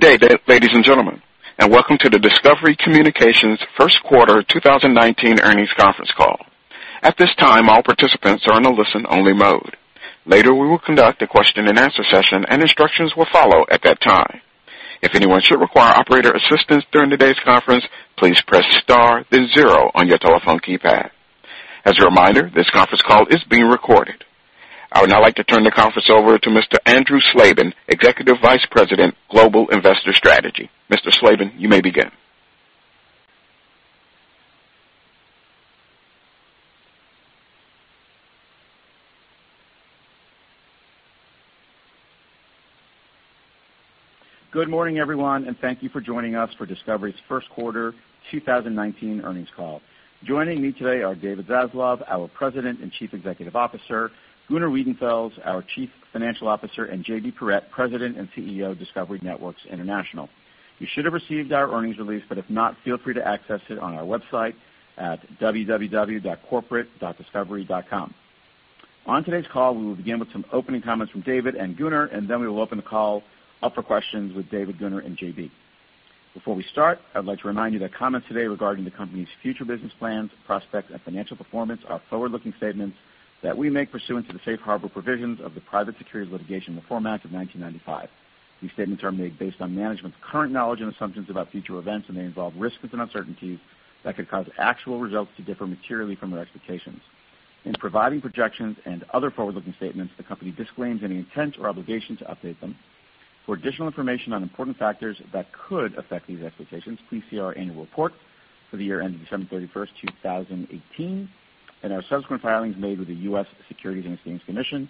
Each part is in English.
Good day, ladies and gentlemen, and welcome to the Discovery, Inc. first quarter 2019 earnings conference call. At this time, all participants are in a listen-only mode. Later we will conduct a question and answer session, and instructions will follow at that time. If anyone should require operator assistance during today's conference, please press star then zero on your telephone keypad. As a reminder, this conference call is being recorded. I would now like to turn the conference over to Mr. Andrew Slabin, Executive Vice President, Global Investor Strategy. Mr. Slabin, you may begin. Good morning, everyone. Thank you for joining us for Discovery's first quarter 2019 earnings call. Joining me today are David Zaslav, our President and Chief Executive Officer, Gunnar Wiedenfels, our Chief Financial Officer, and JB Perrette, President and CEO of Discovery Networks International. You should have received our earnings release, if not, feel free to access it on our website at www.corporate.discovery.com. On today's call, we will begin with some opening comments from David and Gunnar. Then we will open the call up for questions with David, Gunnar, and JB. Before we start, I'd like to remind you that comments today regarding the company's future business plans, prospects, and financial performance are forward-looking statements that we make pursuant to the safe harbor provisions of the Private Securities Litigation Reform Act of 1995. These statements are made based on management's current knowledge and assumptions about future events, and may involve risks and uncertainties that could cause actual results to differ materially from our expectations. In providing projections and other forward-looking statements, the company disclaims any intent or obligation to update them. For additional information on important factors that could affect these expectations, please see our annual report for the year ending December 31st, 2018, and our subsequent filings made with the U.S. Securities and Exchange Commission.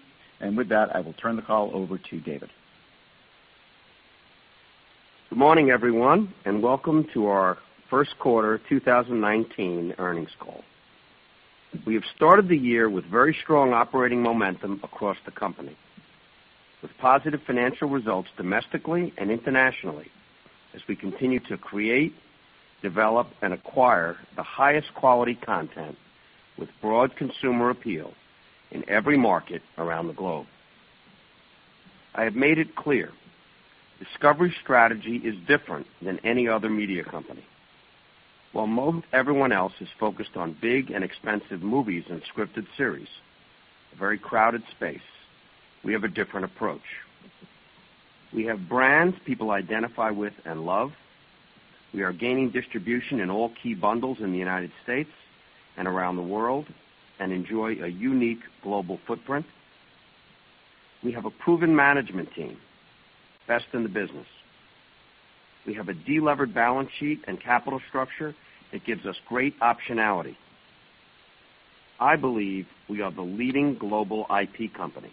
With that, I will turn the call over to David. Good morning, everyone. Welcome to our first quarter 2019 earnings call. We have started the year with very strong operating momentum across the company, with positive financial results domestically and internationally as we continue to create, develop, and acquire the highest quality content with broad consumer appeal in every market around the globe. I have made it clear Discovery's strategy is different than any other media company. While everyone else is focused on big and expensive movies and scripted series, a very crowded space, we have a different approach. We have brands people identify with and love. We are gaining distribution in all key bundles in the United States and around the world and enjoy a unique global footprint. We have a proven management team, best in the business. We have a de-levered balance sheet and capital structure that gives us great optionality. I believe we are the leading global IP company.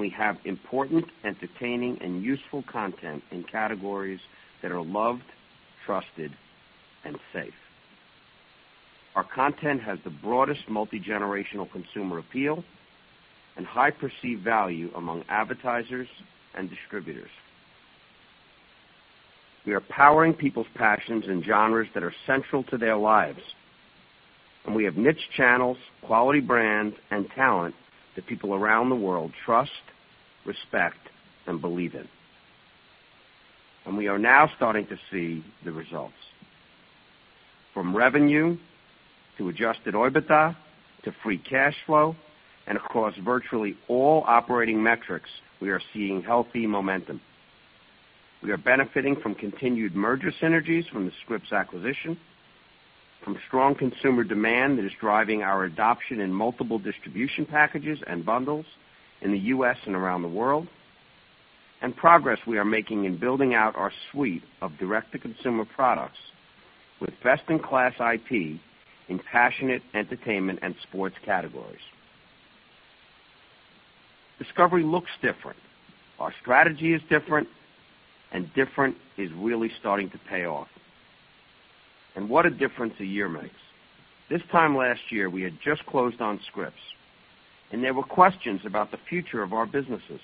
We have important, entertaining, and useful content in categories that are loved, trusted, and safe. Our content has the broadest multi-generational consumer appeal and high perceived value among advertisers and distributors. We are powering people's passions in genres that are central to their lives. We have niche channels, quality brands, and talent that people around the world trust, respect, and believe in. We are now starting to see the results. From revenue to adjusted OIBDA to free cash flow and across virtually all operating metrics, we are seeing healthy momentum. We are benefiting from continued merger synergies from the Scripps acquisition, from strong consumer demand that is driving our adoption in multiple distribution packages and bundles in the U.S. and around the world, and progress we are making in building out our suite of direct-to-consumer products with best-in-class IP in passionate entertainment and sports categories. Discovery looks different. Our strategy is different. Different is really starting to pay off. What a difference a year makes. This time last year, we had just closed on Scripps, and there were questions about the future of our businesses,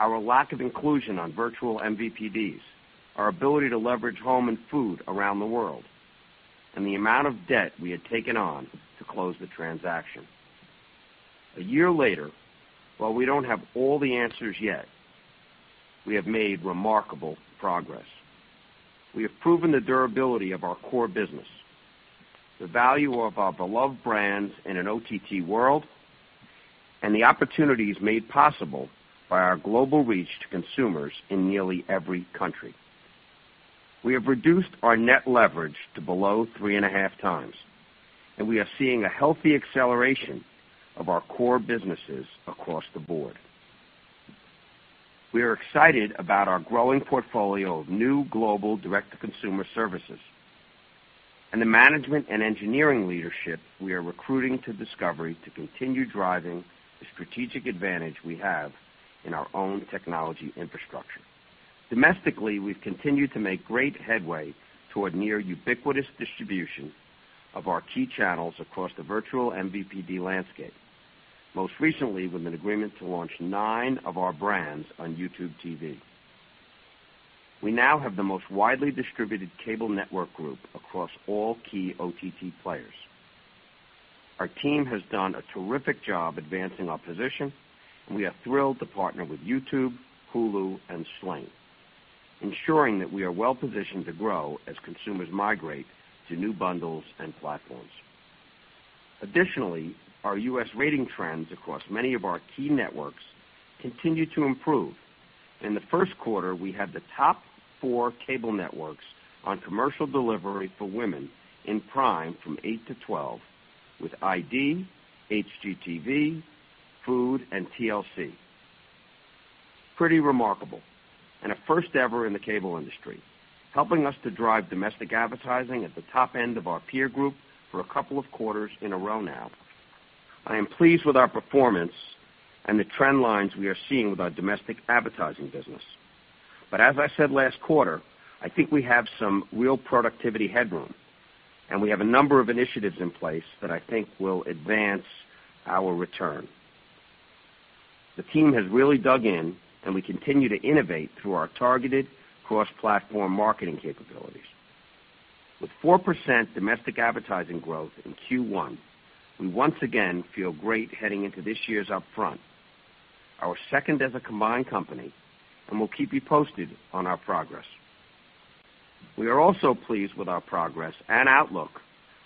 our lack of inclusion on virtual MVPDs, our ability to leverage home and food around the world, and the amount of debt we had taken on to close the transaction. A year later, while we don't have all the answers yet, we have made remarkable progress. We have proven the durability of our core business, the value of our beloved brands in an OTT world, and the opportunities made possible by our global reach to consumers in nearly every country. We have reduced our net leverage to below 3.5 times, and we are seeing a healthy acceleration of our core businesses across the board. We are excited about our growing portfolio of new global direct-to-consumer services and the management and engineering leadership we are recruiting to Discovery to continue driving the strategic advantage we have in our own technology infrastructure. Domestically, we've continued to make great headway toward near ubiquitous distribution of our key channels across the virtual MVPD landscape. Most recently with an agreement to launch nine of our brands on YouTube TV. We now have the most widely distributed cable network group across all key OTT players. Our team has done a terrific job advancing our position. We are thrilled to partner with YouTube, Hulu, and Sling, ensuring that we are well positioned to grow as consumers migrate to new bundles and platforms. Additionally, our U.S. rating trends across many of our key networks continue to improve. In the first quarter, we had the top four cable networks on commercial delivery for women in prime from 8:00 to 12:00, with ID, HGTV, Food, and TLC. Pretty remarkable. A first ever in the cable industry, helping us to drive domestic advertising at the top end of our peer group for a couple of quarters in a row now. I am pleased with our performance and the trend lines we are seeing with our domestic advertising business. As I said last quarter, I think we have some real productivity headroom, and we have a number of initiatives in place that I think will advance our return. The team has really dug in, and we continue to innovate through our targeted cross-platform marketing capabilities. With 4% domestic advertising growth in Q1, we once again feel great heading into this year's upfront, our second as a combined company, and we will keep you posted on our progress. We are also pleased with our progress and outlook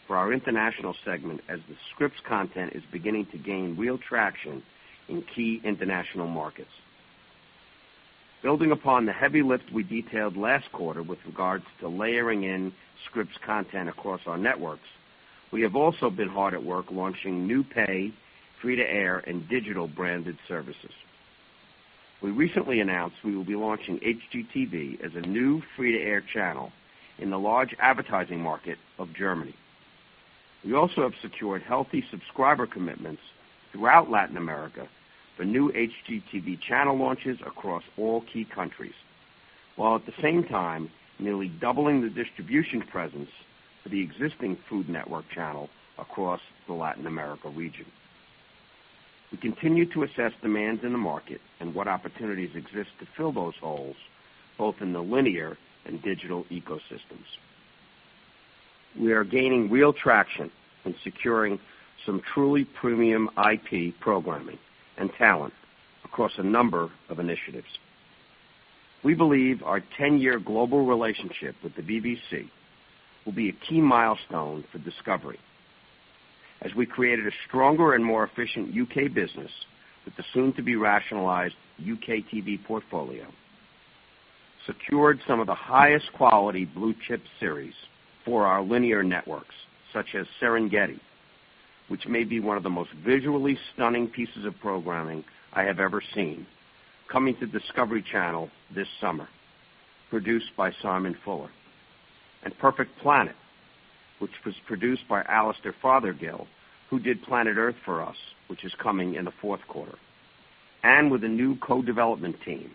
for our international segment, as the Scripps content is beginning to gain real traction in key international markets. Building upon the heavy lift we detailed last quarter with regards to layering in Scripps content across our networks, we have also been hard at work launching new pay, free-to-air, and digital branded services. We recently announced we will be launching HGTV as a new free-to-air channel in the large advertising market of Germany. We also have secured healthy subscriber commitments throughout Latin America for new HGTV channel launches across all key countries, while at the same time nearly doubling the distribution presence for the existing Food Network channel across the Latin America region. We continue to assess demands in the market and what opportunities exist to fill those holes, both in the linear and digital ecosystems. We are gaining real traction in securing some truly premium IP programming and talent across a number of initiatives. We believe our 10-year global relationship with the BBC will be a key milestone for Discovery, as we created a stronger and more efficient U.K. business with the soon-to-be-rationalized UKTV portfolio, secured some of the highest quality blue-chip series for our linear networks, such as "Serengeti," which may be one of the most visually stunning pieces of programming I have ever seen, coming to Discovery Channel this summer, produced by Simon Fuller. "A Perfect Planet," which was produced by Alastair Fothergill, who did "Planet Earth" for us, which is coming in the fourth quarter. With a new co-development team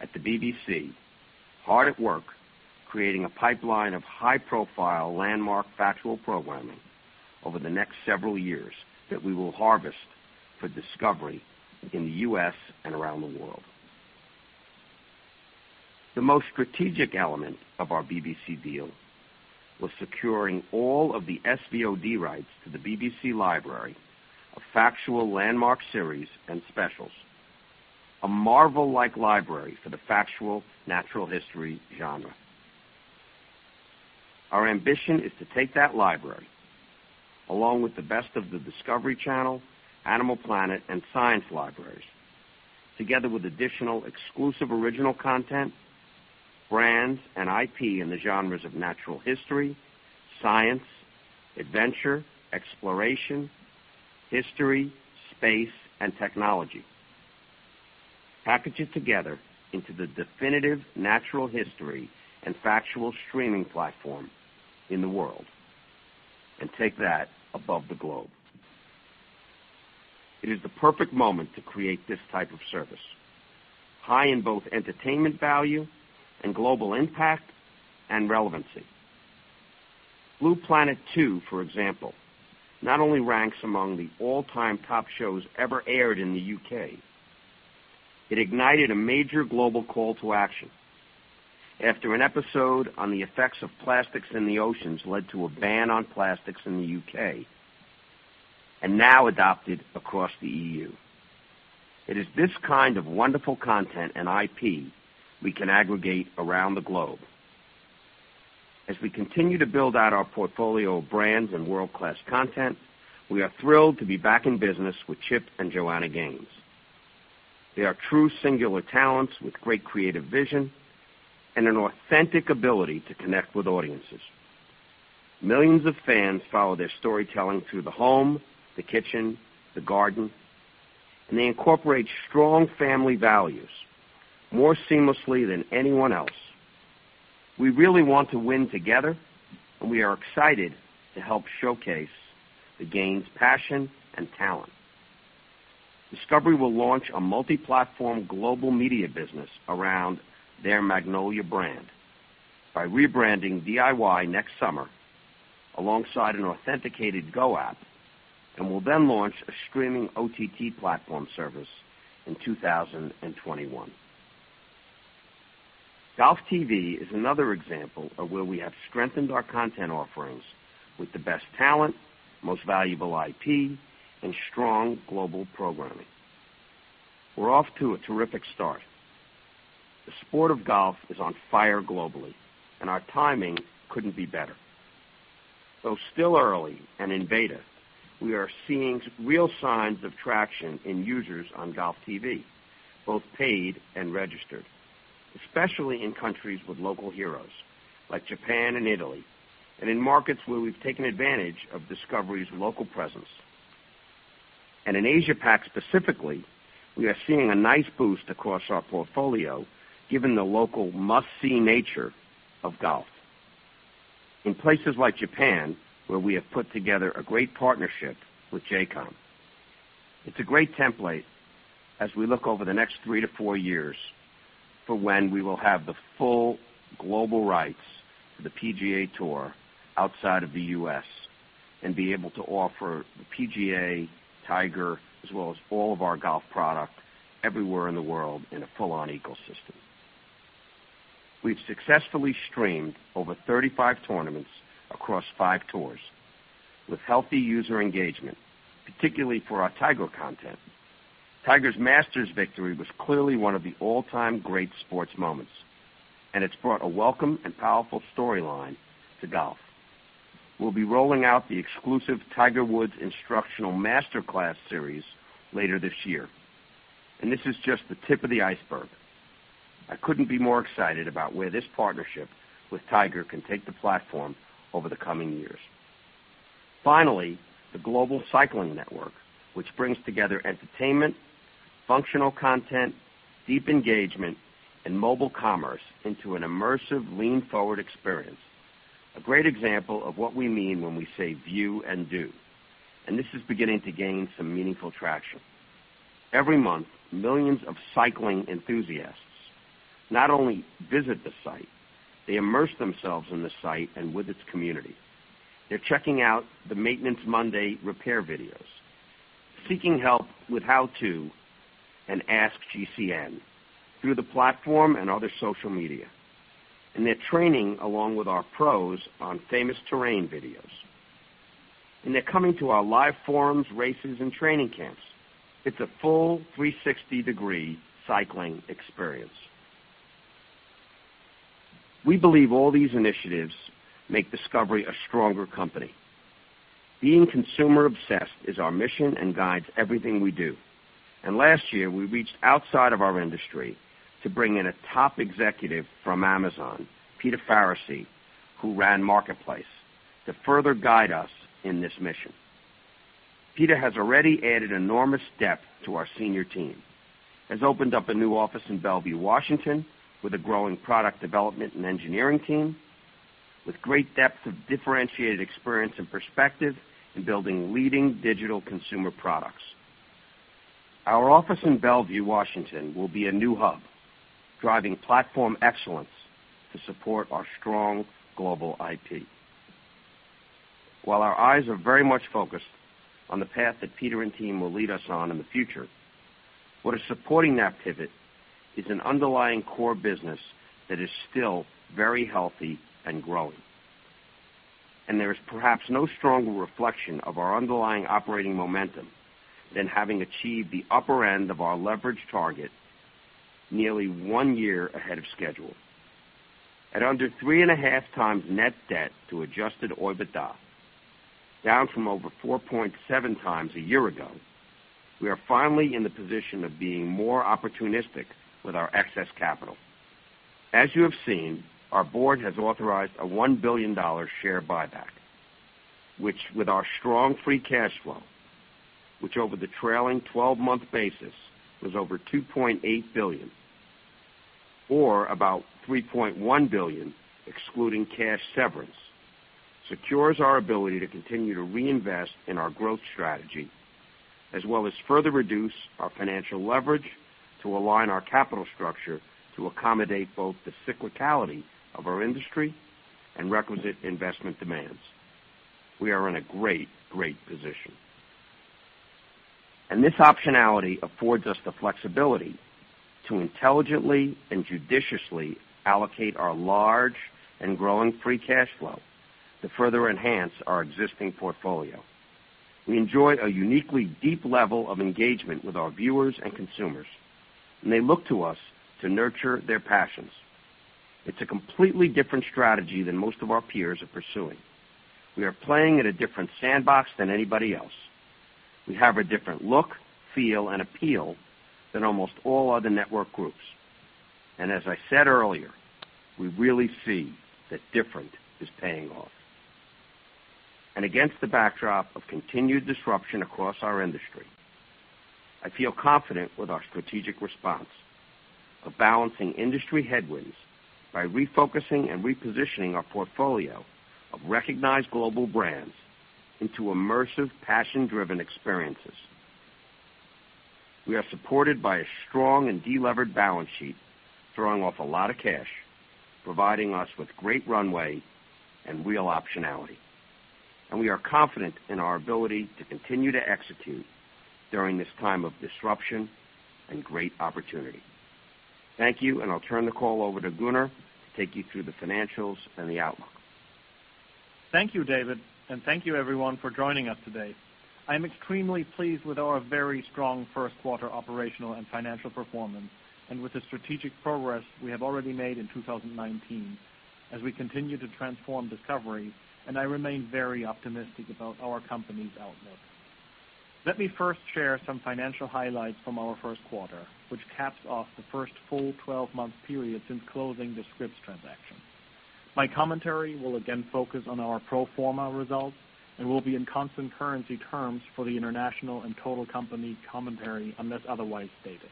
at the BBC, hard at work creating a pipeline of high-profile landmark factual programming over the next several years that we will harvest for Discovery in the U.S. and around the world. The most strategic element of our BBC deal was securing all of the SVOD rights to the BBC library of factual landmark series and specials, a Marvel-like library for the factual natural history genre. Our ambition is to take that library, along with the best of the Discovery Channel, Animal Planet, and science libraries, together with additional exclusive original content, brands, and IP in the genres of natural history, science, adventure, exploration, history, space, and technology, package it together into the definitive natural history and factual streaming platform in the world, and take that above the globe. It is the perfect moment to create this type of service, high in both entertainment value and global impact and relevancy. Blue Planet II," for example, not only ranks among the all-time top shows ever aired in the U.K., it ignited a major global call to action after an episode on the effects of plastics in the oceans led to a ban on plastics in the U.K., and now adopted across the EU. It is this kind of wonderful content and IP we can aggregate around the globe. As we continue to build out our portfolio of brands and world-class content, we are thrilled to be back in business with Chip and Joanna Gaines. They are true singular talents with great creative vision and an authentic ability to connect with audiences. Millions of fans follow their storytelling through the home, the kitchen, the garden, and they incorporate strong family values more seamlessly than anyone else. We really want to win together. We are excited to help showcase the Gaines' passion and talent. Discovery will launch a multi-platform global media business around their Magnolia brand by rebranding DIY next summer alongside an authenticated Go app. Will then launch a streaming OTT platform service in 2021. GolfTV is another example of where we have strengthened our content offerings with the best talent, most valuable IP, and strong global programming. We're off to a terrific start. The sport of golf is on fire globally. Our timing couldn't be better. Though still early and in beta, we are seeing real signs of traction in users on GolfTV, both paid and registered, especially in countries with local heroes like Japan and Italy, and in markets where we've taken advantage of Discovery's local presence. In Asia-Pac specifically, we are seeing a nice boost across our portfolio given the local must-see nature of golf. In places like Japan, where we have put together a great partnership with J:COM. It's a great template as we look over the next 3 to 4 years for when we will have the full global rights for the PGA Tour outside of the U.S. and be able to offer the PGA, Tiger, as well as all of our golf product everywhere in the world in a full-on ecosystem. We've successfully streamed over 35 tournaments across five tours with healthy user engagement, particularly for our Tiger content. Tiger's Masters victory was clearly one of the all-time great sports moments. It's brought a welcome and powerful storyline to golf. We'll be rolling out the exclusive Tiger Woods Instructional Masterclass series later this year. This is just the tip of the iceberg. I couldn't be more excited about where this partnership with Tiger can take the platform over the coming years. Finally, the Global Cycling Network, which brings together entertainment, functional content, deep engagement, and mobile commerce into an immersive lean-forward experience. A great example of what we mean when we say view and do. This is beginning to gain some meaningful traction. Every month, millions of cycling enthusiasts not only visit the site, they immerse themselves in the site and with its community. They're checking out the Maintenance Monday repair videos, seeking help with how-to and Ask GCN through the platform and other social media. They're training along with our pros on famous terrain videos. They're coming to our live forums, races, and training camps. It's a full 360-degree cycling experience. We believe all these initiatives make Discovery a stronger company. Being consumer obsessed is our mission and guides everything we do. Last year, we reached outside of our industry to bring in a top executive from Amazon, Peter Faricy, who ran Marketplace, to further guide us in this mission. Peter has already added enormous depth to our senior team, has opened up a new office in Bellevue, Washington, with a growing product development and engineering team with great depth of differentiated experience and perspective in building leading digital consumer products. Our office in Bellevue, Washington, will be a new hub, driving platform excellence to support our strong global IP. While our eyes are very much focused on the path that Peter and team will lead us on in the future, what is supporting that pivot is an underlying core business that is still very healthy and growing. There is perhaps no stronger reflection of our underlying operating momentum than having achieved the upper end of our leverage target nearly one year ahead of schedule. At under 3.5 times net debt to adjusted OIBDA, down from over 4.7 times a year ago, we are finally in the position of being more opportunistic with our excess capital. As you have seen, our board has authorized a $1 billion share buyback, which with our strong free cash flow, which over the trailing 12-month basis was over $2.8 billion, or about $3.1 billion excluding cash severance, secures our ability to continue to reinvest in our growth strategy as well as further reduce our financial leverage to align our capital structure to accommodate both the cyclicality of our industry and requisite investment demands. We are in a great position. This optionality affords us the flexibility to intelligently and judiciously allocate our large and growing free cash flow to further enhance our existing portfolio. We enjoy a uniquely deep level of engagement with our viewers and consumers, and they look to us to nurture their passions. It's a completely different strategy than most of our peers are pursuing. We are playing in a different sandbox than anybody else. We have a different look, feel, and appeal than almost all other network groups. As I said earlier, we really see that different is paying off. Against the backdrop of continued disruption across our industry, I feel confident with our strategic response of balancing industry headwinds by refocusing and repositioning our portfolio of recognized global brands into immersive, passion-driven experiences. We are supported by a strong and delevered balance sheet, throwing off a lot of cash, providing us with great runway and real optionality. We are confident in our ability to continue to execute during this time of disruption and great opportunity. Thank you, and I'll turn the call over to Gunnar to take you through the financials and the outlook. Thank you, David. Thank you everyone for joining us today. I am extremely pleased with our very strong first quarter operational and financial performance and with the strategic progress we have already made in 2019 as we continue to transform Discovery, and I remain very optimistic about our company's outlook. Let me first share some financial highlights from our first quarter, which caps off the first full 12-month period since closing the Scripps transaction. My commentary will again focus on our pro forma results and will be in constant currency terms for the international and total company commentary, unless otherwise stated.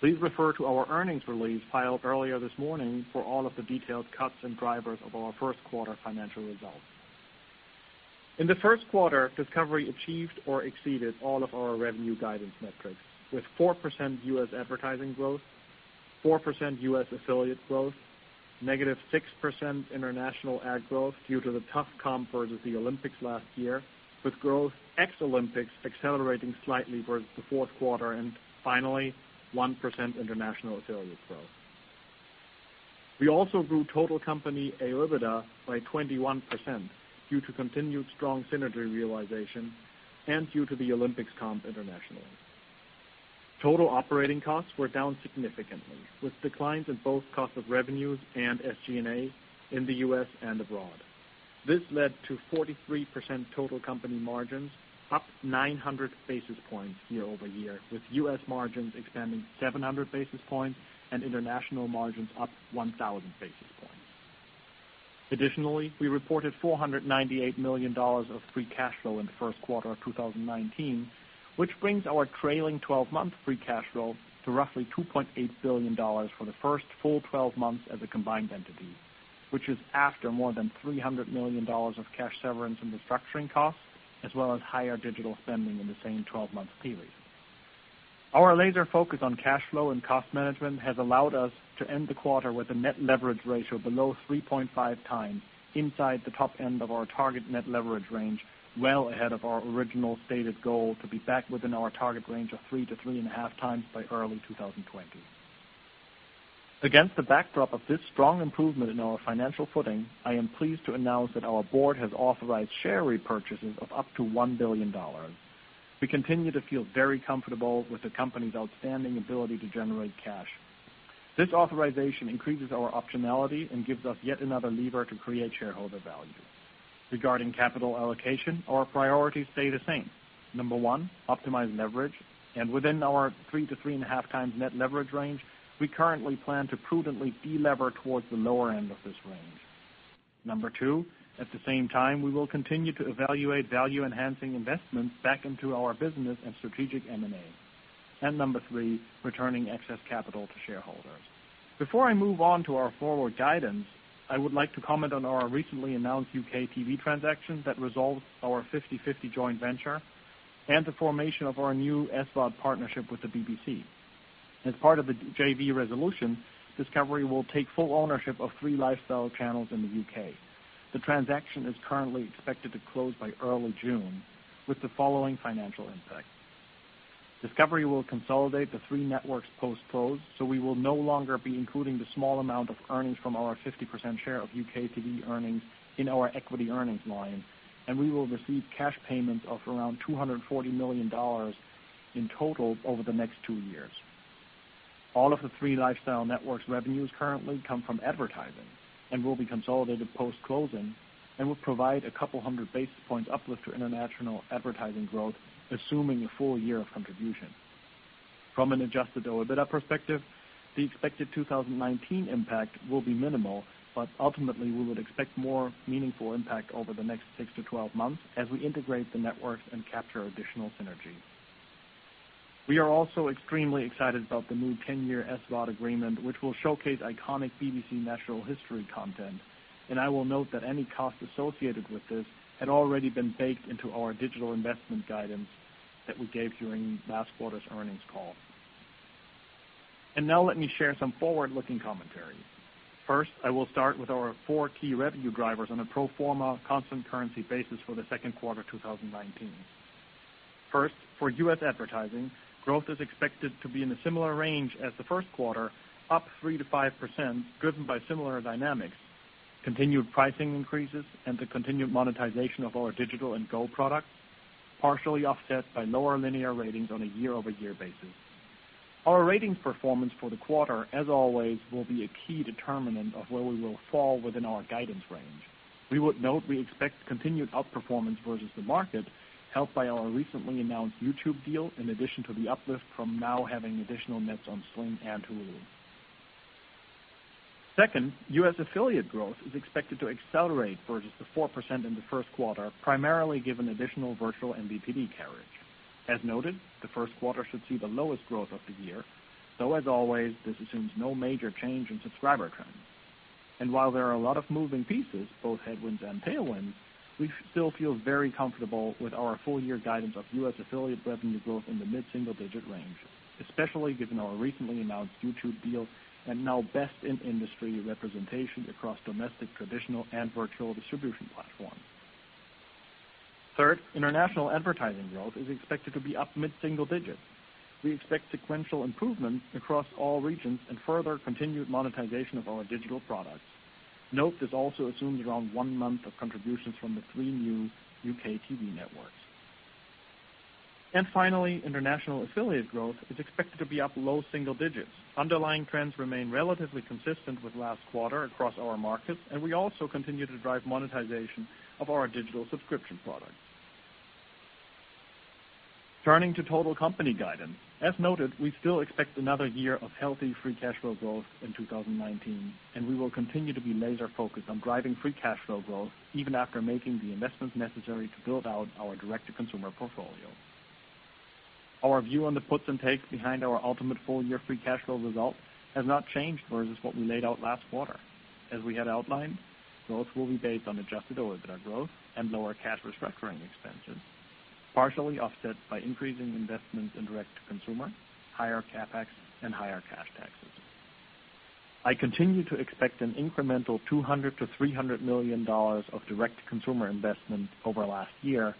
Please refer to our earnings release filed earlier this morning for all of the detailed cuts and drivers of our first quarter financial results. In the first quarter, Discovery achieved or exceeded all of our revenue guidance metrics with 4% U.S. advertising growth, 4% U.S. affiliate growth, negative 6% international ad growth due to the tough comp versus the Olympics last year, with growth ex-Olympics accelerating slightly versus the fourth quarter and finally, 1% international affiliate growth. We also grew total company EBITDA by 21% due to continued strong synergy realization and due to the Olympics comp internationally. Total operating costs were down significantly, with declines in both cost of revenues and SG&A in the U.S. and abroad. This led to 43% total company margins, up 900 basis points year-over-year, with U.S. margins expanding 700 basis points and international margins up 1,000 basis points. Additionally, we reported $498 million of free cash flow in the first quarter of 2019, which brings our trailing 12-month free cash flow to roughly $2.8 billion for the first full 12 months as a combined entity, which is after more than $300 million of cash severance and restructuring costs, as well as higher digital spending in the same 12-month period. Our laser focus on cash flow and cost management has allowed us to end the quarter with a net leverage ratio below 3.5 times inside the top end of our target net leverage range, well ahead of our original stated goal to be back within our target range of three to three and a half times by early 2020. Against the backdrop of this strong improvement in our financial footing, I am pleased to announce that our board has authorized share repurchases of up to $1 billion. We continue to feel very comfortable with the company's outstanding ability to generate cash. This authorization increases our optionality and gives us yet another lever to create shareholder value. Regarding capital allocation, our priorities stay the same. Number one, optimize leverage, and within our three to three and a half times net leverage range, we currently plan to prudently delever towards the lower end of this range. Number two, at the same time, we will continue to evaluate value-enhancing investments back into our business and strategic M&A. Number three, returning excess capital to shareholders. Before I move on to our forward guidance, I would like to comment on our recently announced UKTV transaction that resolves our 50/50 joint venture and the formation of our new SVOD partnership with the BBC. As part of the JV resolution, Discovery will take full ownership of three lifestyle channels in the U.K. The transaction is currently expected to close by early June with the following financial impact. Discovery will consolidate the three networks post-close, so we will no longer be including the small amount of earnings from our 50% share of UKTV earnings in our equity earnings line, and we will receive cash payments of around $240 million in total over the next two years. All of the three lifestyle networks' revenues currently come from advertising and will be consolidated post-closing and will provide a couple hundred basis points uplift to international advertising growth, assuming a full year of contribution. From an adjusted EBITDA perspective, the expected 2019 impact will be minimal, but ultimately, we would expect more meaningful impact over the next six to 12 months as we integrate the networks and capture additional synergy. We are also extremely excited about the new 10-year SVOD agreement, which will showcase iconic BBC Natural History content. I will note that any cost associated with this had already been baked into our digital investment guidance that we gave during last quarter's earnings call. Now let me share some forward-looking commentary. First, I will start with our four key revenue drivers on a pro forma constant currency basis for the second quarter 2019. First, for U.S. advertising, growth is expected to be in a similar range as the first quarter, up 3% to 5%, driven by similar dynamics, continued pricing increases, and the continued monetization of our digital and GO products, partially offset by lower linear ratings on a year-over-year basis. Our ratings performance for the quarter, as always, will be a key determinant of where we will fall within our guidance range. We would note we expect continued outperformance versus the market, helped by our recently announced YouTube deal, in addition to the uplift from now having additional nets on Sling and Hulu. Second, U.S. affiliate growth is expected to accelerate versus the 4% in the first quarter, primarily given additional virtual MVPD carriage. As noted, the first quarter should see the lowest growth of the year, so as always, this assumes no major change in subscriber trends. While there are a lot of moving pieces, both headwinds and tailwinds, we still feel very comfortable with our full-year guidance of U.S. affiliate revenue growth in the mid-single digit range, especially given our recently announced YouTube deal and now best-in-industry representation across domestic, traditional, and virtual distribution platforms. Third, international advertising growth is expected to be up mid-single digits. We expect sequential improvements across all regions and further continued monetization of our digital products. Note, this also assumes around one month of contributions from the three new UKTV networks. Finally, international affiliate growth is expected to be up low single digits. Underlying trends remain relatively consistent with last quarter across our markets, and we also continue to drive monetization of our digital subscription products. Turning to total company guidance. As noted, we still expect another year of healthy free cash flow growth in 2019, and we will continue to be laser-focused on driving free cash flow growth even after making the investments necessary to build out our direct-to-consumer portfolio. Our view on the puts and takes behind our ultimate full-year free cash flow result has not changed versus what we laid out last quarter. As we had outlined, growth will be based on adjusted OIBDA growth and lower cash restructuring expenses, partially offset by increasing investments in direct-to-consumer, higher CapEx, and higher cash taxes. I continue to expect an incremental $200 million-$300 million of direct-to-consumer investment over last year,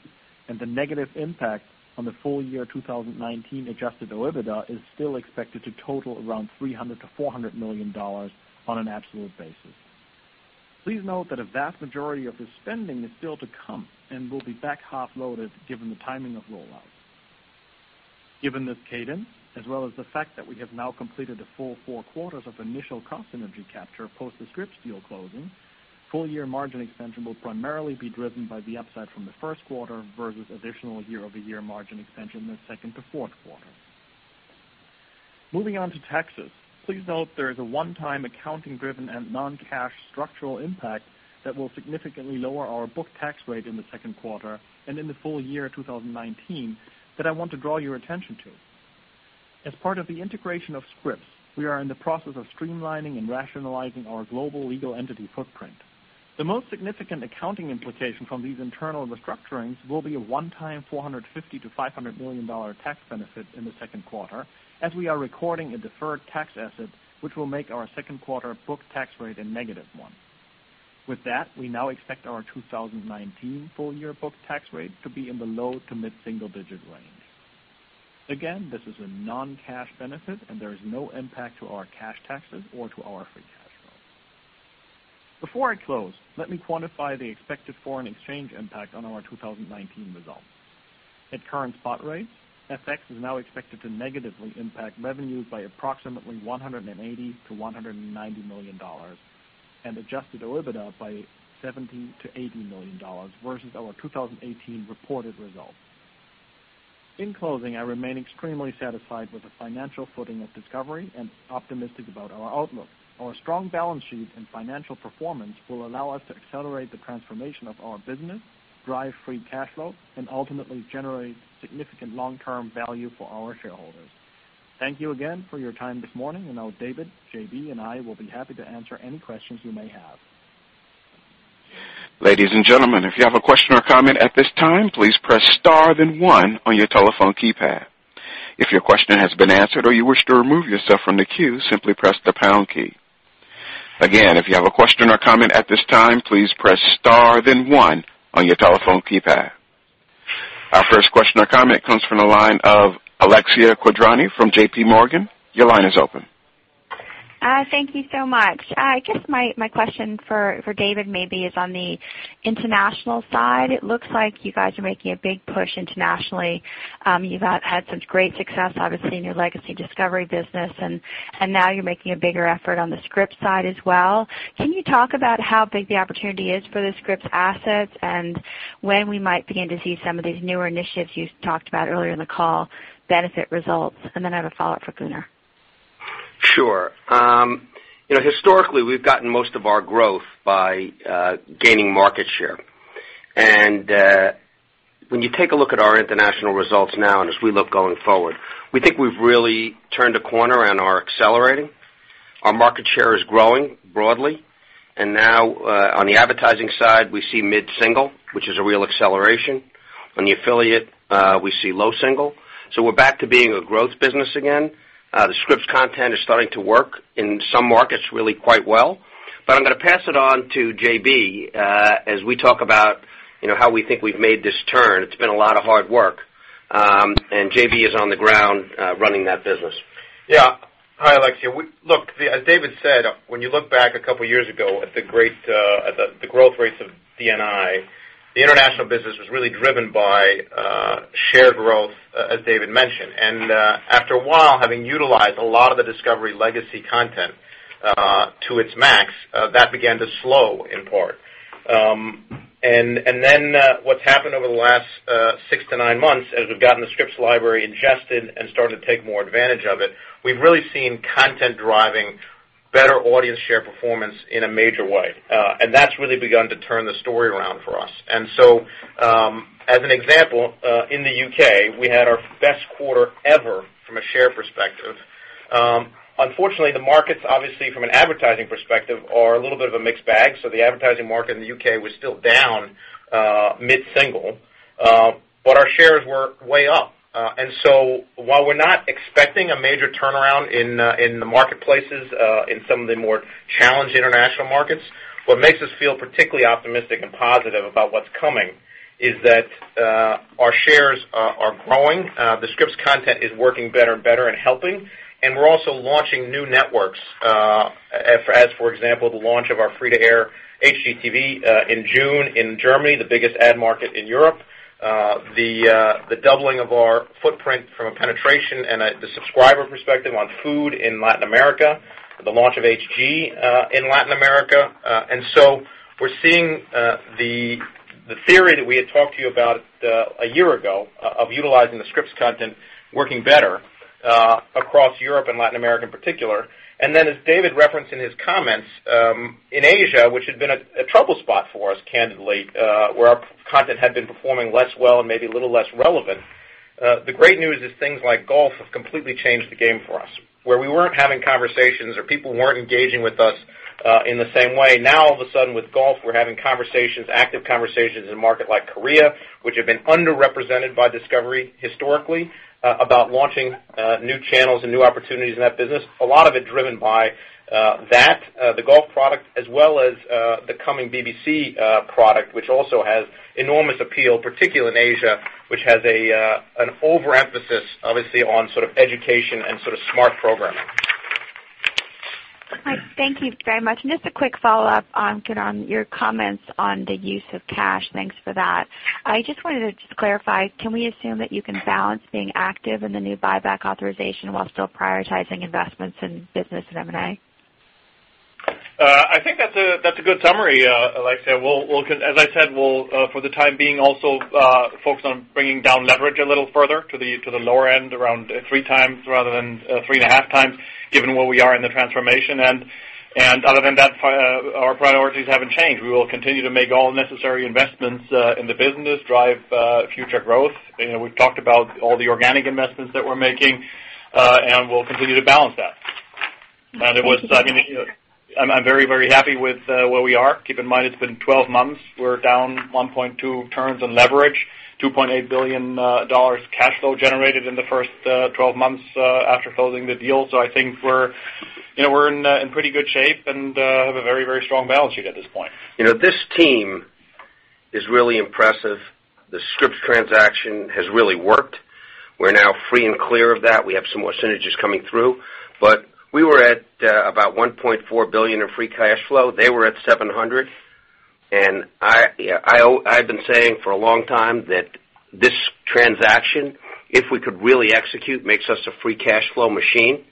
and the negative impact on the full-year 2019 adjusted OIBDA is still expected to total around $300 million-$400 million on an absolute basis. Please note that a vast majority of this spending is still to come and will be back-half loaded given the timing of rollout. Given this cadence, as well as the fact that we have now completed the full four quarters of initial cost synergy capture post the Scripps deal closing, full-year margin expansion will primarily be driven by the upside from the first quarter versus additional year-over-year margin expansion in the second to fourth quarter. Moving on to taxes. Please note there is a one-time accounting-driven and non-cash structural impact that will significantly lower our book tax rate in the second quarter, and in the full-year 2019, that I want to draw your attention to. As part of the integration of Scripps, we are in the process of streamlining and rationalizing our global legal entity footprint. The most significant accounting implication from these internal restructurings will be a one-time $450 million-$500 million tax benefit in the second quarter, as we are recording a deferred tax asset, which will make our second quarter book tax rate a negative one. With that, we now expect our 2019 full-year book tax rate to be in the low-to-mid single-digit range. Again, this is a non-cash benefit, and there is no impact to our cash taxes or to our free cash flow. Before I close, let me quantify the expected foreign exchange impact on our 2019 results. At current spot rates, FX is now expected to negatively impact revenues by approximately $180 million-$190 million and adjusted OIBDA by $70 million-$80 million versus our 2018 reported results. In closing, I remain extremely satisfied with the financial footing of Discovery and optimistic about our outlook. Our strong balance sheet and financial performance will allow us to accelerate the transformation of our business, drive free cash flow, and ultimately generate significant long-term value for our shareholders. Thank you again for your time this morning, and now David, JB, and I will be happy to answer any questions you may have. Ladies and gentlemen, if you have a question or comment at this time, please press star then one on your telephone keypad. If your question has been answered or you wish to remove yourself from the queue, simply press the pound key. Again, if you have a question or comment at this time, please press star then one on your telephone keypad. Our first question or comment comes from the line of Alexia Quadrani from J.P. Morgan. Your line is open. Thank you so much. My question for David maybe is on the international side. It looks like you are making a big push internationally. You have had such great success, obviously, in your legacy Discovery business, and now you are making a bigger effort on the Scripps side as well. Can you talk about how big the opportunity is for the Scripps assets and when we might begin to see some of these newer initiatives you talked about earlier in the call benefit results? I have a follow-up for Gunnar. Sure. Historically, we have gotten most of our growth by gaining market share. When you take a look at our international results now, as we look going forward, we think we have really turned a corner and are accelerating. Our market share is growing broadly. Now, on the advertising side, we see mid-single, which is a real acceleration. On the affiliate, we see low single. We are back to being a growth business again. The Scripps content is starting to work in some markets really quite well. I am going to pass it on to JB, as we talk about how we think we have made this turn. It has been a lot of hard work. JB is on the ground running that business. Hi, Alexia. Look, as David said, when you look back a couple of years ago at the growth rates of DNI, the international business was really driven by shared growth, as David mentioned. After a while, having utilized a lot of the Discovery legacy content to its max, that began to slow in part. What has happened over the last six to nine months, as we have gotten the Scripps library ingested and started to take more advantage of it, we have really seen content driving better audience share performance in a major way. That has really begun to turn the story around for us. As an example, in the U.K., we had our best quarter ever from a share perspective. Unfortunately, the markets, obviously from an advertising perspective, are a little bit of a mixed bag. The advertising market in the U.K. was still down mid-single. Our shares were way up. While we are not expecting a major turnaround in the marketplaces in some of the more challenged international markets, what makes us feel particularly optimistic and positive about what is coming is that our shares are growing, the Scripps content is working better and better and helping, and we are also launching new networks. As, for example, the launch of our free-to-air HGTV in June in Germany, the biggest ad market in Europe. The doubling of our footprint from a penetration and the subscriber perspective on food in Latin America, the launch of HG in Latin America. We are seeing the theory that we had talked to you about a year ago of utilizing the Scripps content working better across Europe and Latin America in particular. As David referenced in his comments, in Asia, which had been a trouble spot for us, candidly, where our content had been performing less well and maybe a little less relevant. The great news is things like golf have completely changed the game for us. Where we weren't having conversations or people weren't engaging with us in the same way, now all of a sudden with golf, we're having conversations, active conversations in a market like Korea, which have been underrepresented by Discovery historically, about launching new channels and new opportunities in that business. A lot of it driven by that, the golf product, as well as the coming BBC product, which also has enormous appeal, particularly in Asia, which has an overemphasis, obviously, on education and smart programming. Hi. Thank you very much. Just a quick follow-up, Gunnar, on your comments on the use of cash. Thanks for that. I just wanted to just clarify, can we assume that you can balance being active in the new buyback authorization while still prioritizing investments in business and M&A? I think that's a good summary, Alexia. As I said, we'll for the time being, also focus on bringing down leverage a little further to the lower end around three times rather than three and a half times, given where we are in the transformation. Other than that, our priorities haven't changed. We will continue to make all necessary investments in the business, drive future growth. We've talked about all the organic investments that we're making, and we'll continue to balance that. I'm very, very happy with where we are. Keep in mind, it's been 12 months. We're down 1.2 turns on leverage, $2.8 billion cash flow generated in the first 12 months after closing the deal. I think we're in pretty good shape and have a very, very strong balance sheet at this point. This team is really impressive. The Scripps transaction has really worked. We're now free and clear of that. We have some more synergies coming through. We were at about $1.4 billion in free cash flow. They were at $700 million. I've been saying for a long time that this transaction, if we could really execute, makes us a free cash flow machine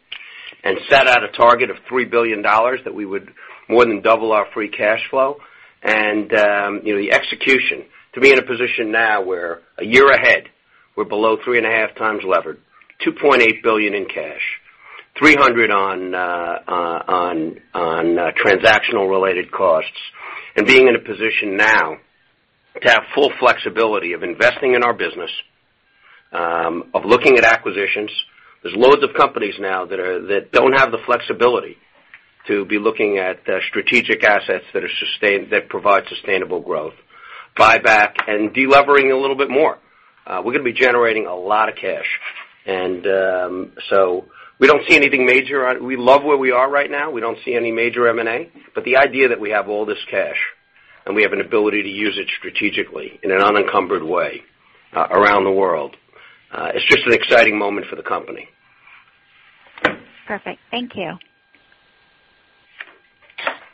and set out a target of $3 billion that we would more than double our free cash flow. The execution to be in a position now where a year ahead, we're below three and a half times levered, $2.8 billion in cash, $300 million on transactional-related costs, and being in a position now to have full flexibility of investing in our business, of looking at acquisitions. There's loads of companies now that don't have the flexibility to be looking at strategic assets that provide sustainable growth, buyback, and de-levering a little bit more. We're going to be generating a lot of cash. We don't see anything major. We love where we are right now. We don't see any major M&A, but the idea that we have all this cash and we have an ability to use it strategically in an unencumbered way around the world, it's just an exciting moment for the company. Perfect. Thank you.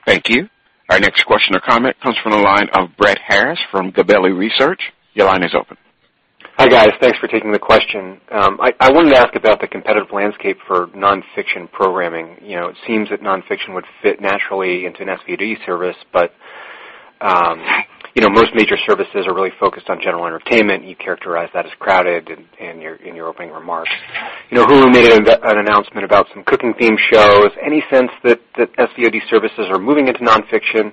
Thank you. Our next question or comment comes from the line of Brett Harriss from Gabelli Research. Your line is open. Hi, guys. Thanks for taking the question. I wanted to ask about the competitive landscape for nonfiction programming. It seems that nonfiction would fit naturally into an SVOD service, but most major services are really focused on general entertainment. You characterized that as crowded in your opening remarks. Hulu made an announcement about some cooking theme shows. Any sense that SVOD services are moving into nonfiction?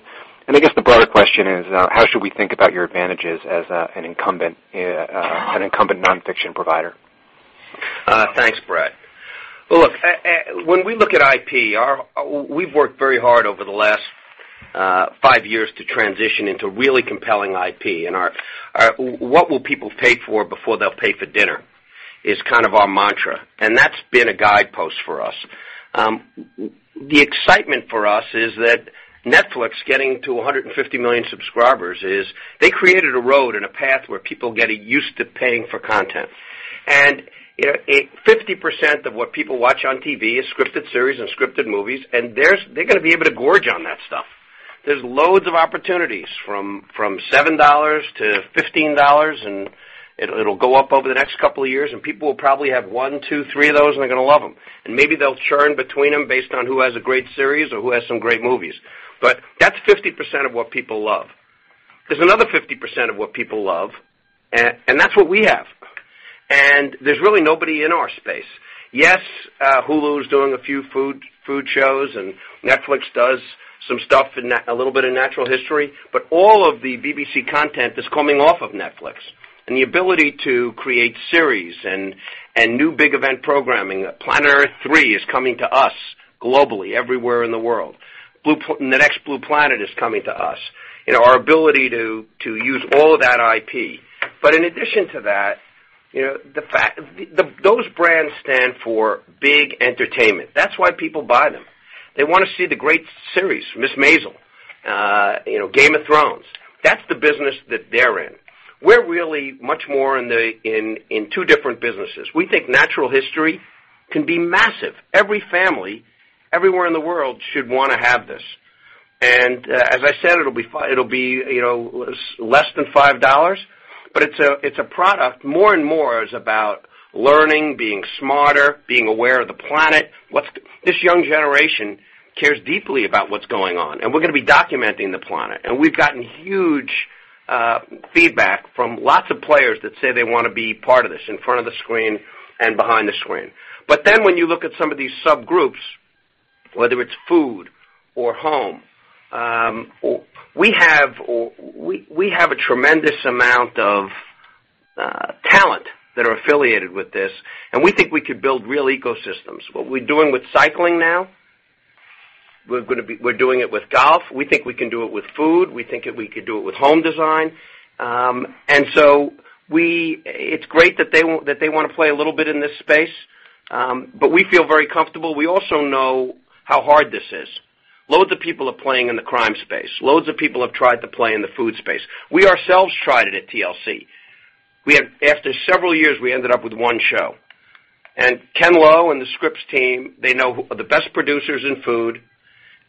I guess the broader question is, how should we think about your advantages as an incumbent nonfiction provider? Thanks, Brett. Look, when we look at IP, we've worked very hard over the last five years to transition into really compelling IP. Our, what will people pay for before they'll pay for dinner is kind of our mantra, and that's been a guidepost for us. The excitement for us is that Netflix getting to 150 million subscribers is they created a road and a path where people are getting used to paying for content. 50% of what people watch on TV is scripted series and scripted movies, and they're going to be able to gorge on that stuff. There's loads of opportunities from $7 to $15, and it'll go up over the next couple of years, and people will probably have one, two, three of those, and they're going to love them. Maybe they'll churn between them based on who has a great series or who has some great movies. That's 50% of what people love. There's another 50% of what people love, and that's what we have. There's really nobody in our space. Yes, Hulu's doing a few food shows, and Netflix does some stuff in a little bit of natural history, but all of the BBC content is coming off of Netflix. The ability to create series and new big event programming. Planet Earth III is coming to us globally, everywhere in the world. The next Blue Planet is coming to us. Our ability to use all of that IP. Those brands stand for big entertainment. That's why people buy them. They want to see the great series, "Miss Maisel," "Game of Thrones." That's the business that they're in. We're really much more in two different businesses. We think natural history can be massive. Every family everywhere in the world should want to have this. As I said, it'll be less than $5, but it's a product more and more is about learning, being smarter, being aware of the planet. This young generation cares deeply about what's going on, and we're going to be documenting the planet. We've gotten huge feedback from lots of players that say they want to be part of this in front of the screen and behind the screen. When you look at some of these subgroups, whether it's food or home, we have a tremendous amount of talent that are affiliated with this, and we think we could build real ecosystems. What we're doing with cycling now, we're doing it with golf. We think we can do it with food. We think we could do it with home design. It's great that they want to play a little bit in this space, we feel very comfortable. We also know how hard this is. Loads of people are playing in the crime space. Loads of people have tried to play in the food space. We ourselves tried it at TLC. After several years, we ended up with one show. Ken Lowe and the Scripps team, they know the best producers in food,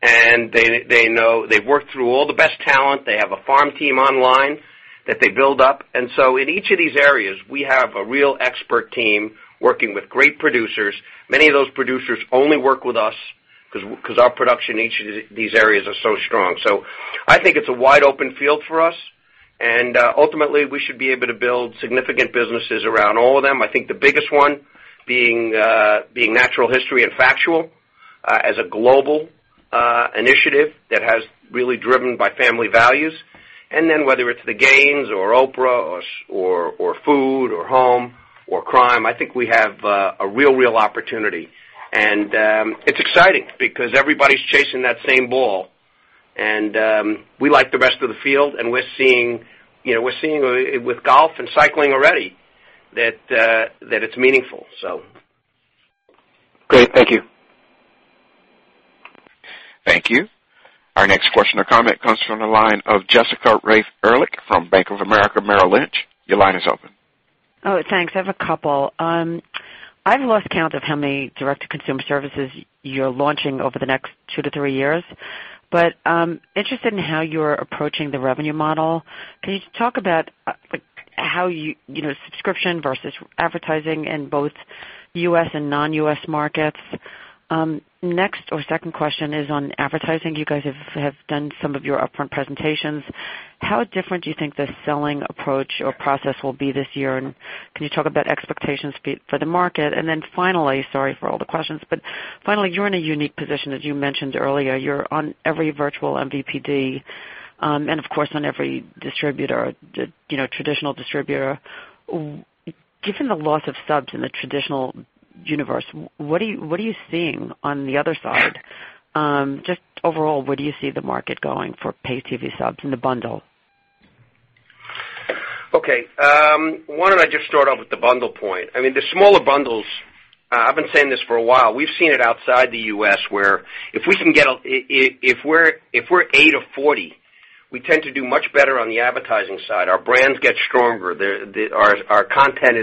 and they've worked through all the best talent. They have a farm team online that they build up. In each of these areas, we have a real expert team working with great producers. Many of those producers only work with us because our production in each of these areas are so strong. I think it's a wide open field for us, and ultimately, we should be able to build significant businesses around all of them. I think the biggest one being natural history and factual as a global initiative that has really driven by family values. Whether it's the games or Oprah or food or home or crime, I think we have a real opportunity. It's exciting because everybody's chasing that same ball, and we like the rest of the field, and we're seeing with golf and cycling already that it's meaningful. Great. Thank you. Thank you. Our next question or comment comes from the line of Jessica Reif Ehrlich from Bank of America Merrill Lynch. Your line is open. Thanks. I have a couple. I've lost count of how many direct-to-consumer services you're launching over the next two to three years, but I'm interested in how you're approaching the revenue model. Can you talk about subscription versus advertising in both U.S. and non-U.S. markets? Next or second question is on advertising. You guys have done some of your upfront presentations. How different do you think the selling approach or process will be this year, and can you talk about expectations for the market? Finally, sorry for all the questions, but finally, you're in a unique position, as you mentioned earlier. You're on every virtual MVPD, and of course, on every distributor, traditional distributor. Given the loss of subs in the traditional universe, what are you seeing on the other side? Just overall, where do you see the market going for pay TV subs in the bundle? Okay. Why don't I just start off with the bundle point? I mean, the smaller bundles, I've been saying this for a while. We've seen it outside the U.S., where if we're eight of 40, we tend to do much better on the advertising side. Our brands get stronger. Our content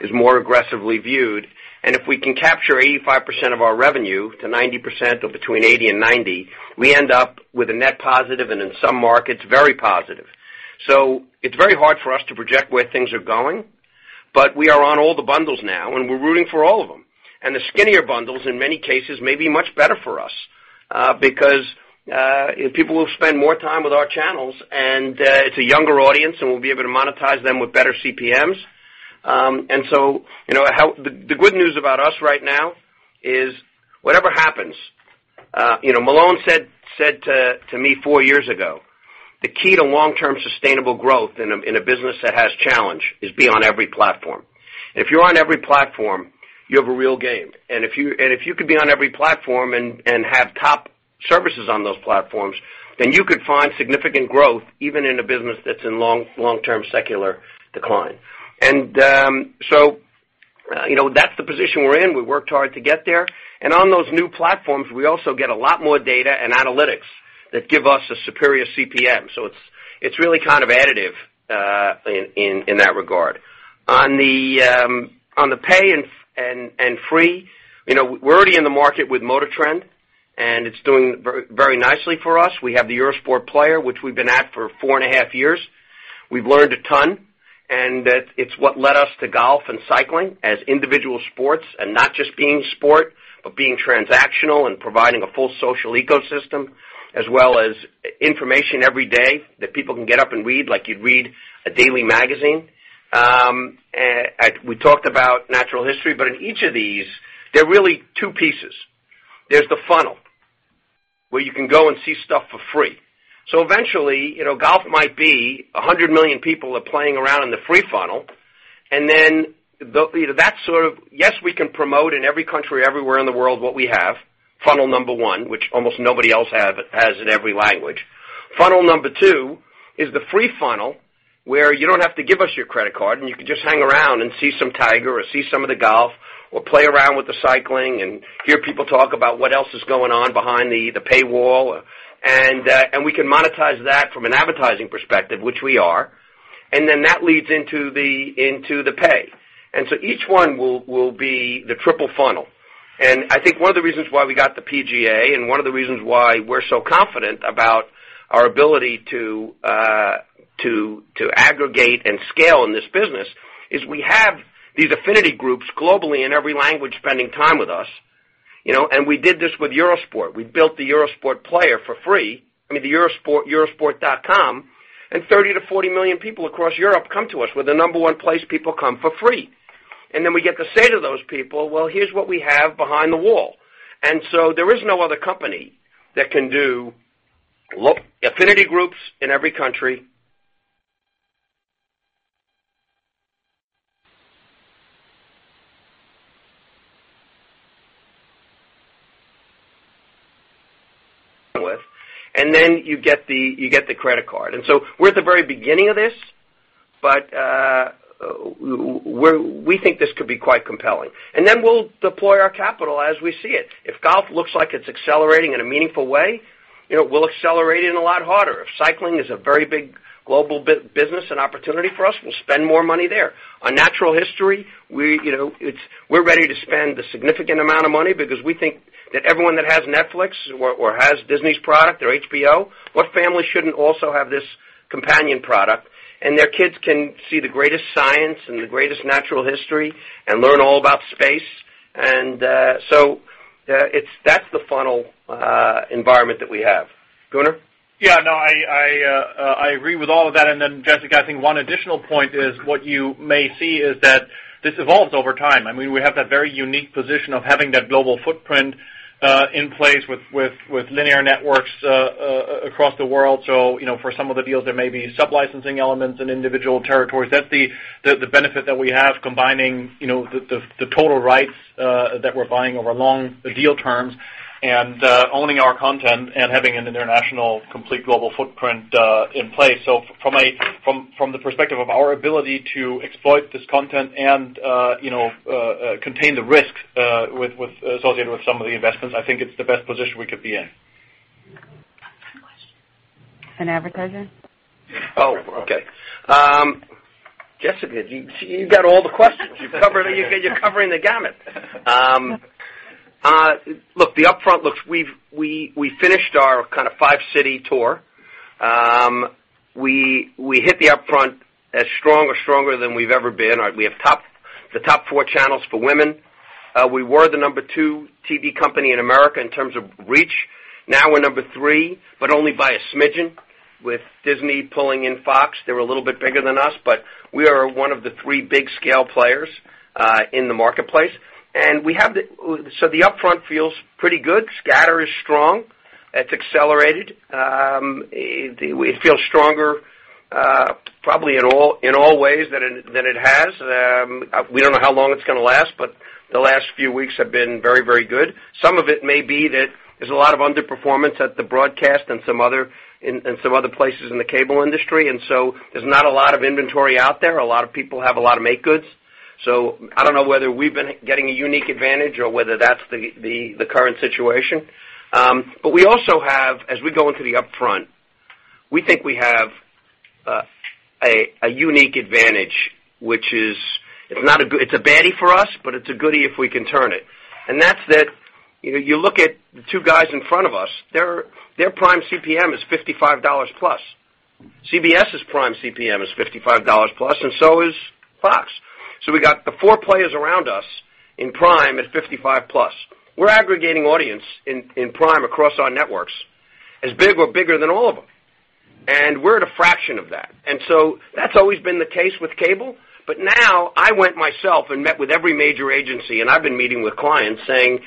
is more aggressively viewed. If we can capture 85% of our revenue to 90% of between 80 and 90, we end up with a net positive, and in some markets, very positive. It's very hard for us to project where things are going, but we are on all the bundles now, and we're rooting for all of them. The skinnier bundles, in many cases, may be much better for us because people will spend more time with our channels, and it's a younger audience, and we'll be able to monetize them with better CPMs. The good news about us right now is whatever happens, Malone said to me four years ago, "The key to long-term sustainable growth in a business that has challenge is be on every platform." If you're on every platform, you have a real game. If you could be on every platform and have top services on those platforms, then you could find significant growth, even in a business that's in long-term secular decline. That's the position we're in. We worked hard to get there. On those new platforms, we also get a lot more data and analytics that give us a superior CPM. It's really additive in that regard. On the pay and free, we're already in the market with MotorTrend, and it's doing very nicely for us. We have the Eurosport Player, which we've been at for four and a half years. We've learned a ton, it's what led us to golf and cycling as individual sports and not just being sport, but being transactional and providing a full social ecosystem, as well as information every day that people can get up and read like you'd read a daily magazine. We talked about natural history, but in each of these, there are really two pieces. There's the funnel, where you can go and see stuff for free. Eventually, golf might be 100 million people are playing around in the free funnel. Yes, we can promote in every country everywhere in the world what we have, funnel number 1, which almost nobody else has in every language. Funnel number 2 is the free funnel where you don't have to give us your credit card and you can just hang around and see some Tiger or see some of the golf or play around with the cycling and hear people talk about what else is going on behind the paywall. We can monetize that from an advertising perspective, which we are, then that leads into the pay. Each one will be the triple funnel. I think one of the reasons why we got the PGA and one of the reasons why we're so confident about our ability to aggregate and scale in this business is we have these affinity groups globally in every language spending time with us. We did this with Eurosport. We built the Eurosport Player for free, I mean, the eurosport.com, and 30 to 40 million people across Europe come to us. We're the number one place people come for free. Then we get to say to those people, "Well, here's what we have behind the wall." There is no other company that can do affinity groups in every country with. Then you get the credit card. We're at the very beginning of this, but we think this could be quite compelling. We'll deploy our capital as we see it. If golf looks like it's accelerating in a meaningful way, we'll accelerate it in a lot harder. If cycling is a very big global business and opportunity for us, we'll spend more money there. On Natural History, we're ready to spend a significant amount of money because we think that everyone that has Netflix or has Disney's product or HBO, what family shouldn't also have this companion product? Their kids can see the greatest science and the greatest natural history and learn all about space. That's the funnel environment that we have. Gunnar? Yeah, no, I agree with all of that. Jessica, I think one additional point is what you may see is that this evolves over time. We have that very unique position of having that global footprint in place with linear networks across the world. For some of the deals, there may be sub-licensing elements in individual territories. That's the benefit that we have combining the total rights that we're buying over long deal terms and owning our content and having an international complete global footprint in place. From the perspective of our ability to exploit this content and contain the risk associated with some of the investments, I think it's the best position we could be in. One more question. An advertiser? Oh, okay. Jessica, you've got all the questions. You're covering the gamut. The upfront, we've finished our five city tour. We hit the upfront as strong or stronger than we've ever been. We have the top four channels for women. We were the number 2 TV company in America in terms of reach. Now we're number 3, but only by a smidgen with Disney pulling in Fox. They're a little bit bigger than us, but we are one of the three big scale players in the marketplace. The upfront feels pretty good. Scatter is strong. It's accelerated. It feels stronger probably in all ways than it has. We don't know how long it's going to last, the last few weeks have been very, very good. Some of it may be that there's a lot of underperformance at the broadcast and some other places in the cable industry, there's not a lot of inventory out there. A lot of people have a lot of make goods. I don't know whether we've been getting a unique advantage or whether that's the current situation. We also have, as we go into the upfront, we think we have a unique advantage, which is it's a baddie for us, but it's a goodie if we can turn it. That's that you look at the two guys in front of us, their prime CPM is $55 plus. CBS's prime CPM is $55 plus, and so is Fox. We got the four players around us in prime at $55 plus. We're aggregating audience in prime across our networks as big or bigger than all of them. We're at a fraction of that. That's always been the case with cable. Now I went myself and met with every major agency, I've been meeting with clients saying,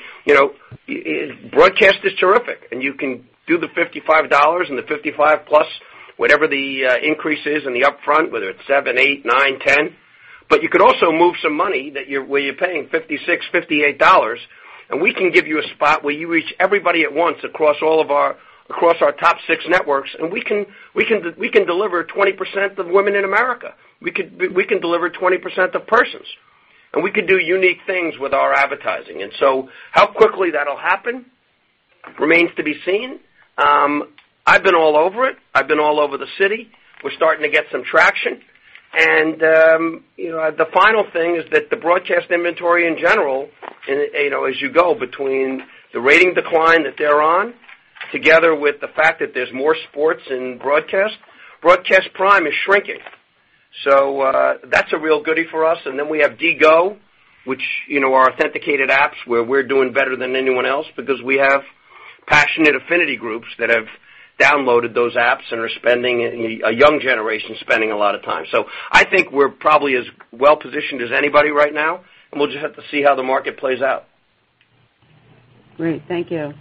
"Broadcast is terrific, you can do the $55 and the $55 plus whatever the increase is in the upfront, whether it's seven, eight, nine, 10. You could also move some money where you're paying $56, $58, we can give you a spot where you reach everybody at once across our top six networks, we can deliver 20% of women in America. We can deliver 20% of persons, we can do unique things with our advertising." How quickly that'll happen remains to be seen. I've been all over it. I've been all over the city. We're starting to get some traction. The final thing is that the broadcast inventory in general, as you go between the rating decline that they're on, together with the fact that there's more sports in broadcast prime is shrinking. That's a real goodie for us. Then we have DGO, which are authenticated apps where we're doing better than anyone else because we have passionate affinity groups that have downloaded those apps and are spending, a young generation, spending a lot of time. I think we're probably as well-positioned as anybody right now, and we'll just have to see how the market plays out. Great. Thank you.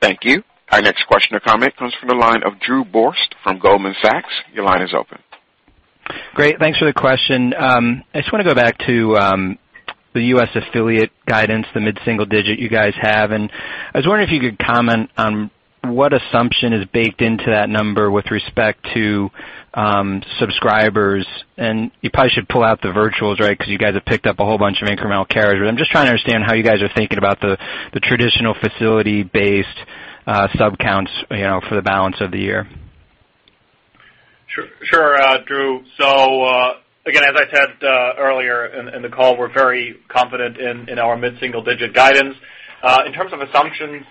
Thank you. Our next question or comment comes from the line of Drew Borst from Goldman Sachs. Your line is open. Great. Thanks for the question. I just want to go back to the U.S. affiliate guidance, the mid-single digit you guys have. I was wondering if you could comment on what assumption is baked into that number with respect to subscribers, and you probably should pull out the virtuals, right? Because you guys have picked up a whole bunch of incremental carriers. I'm just trying to understand how you guys are thinking about the traditional facility-based sub counts for the balance of the year. Sure, Drew. Again, as I said earlier in the call, we're very confident in our mid-single-digit guidance. In terms of assumptions,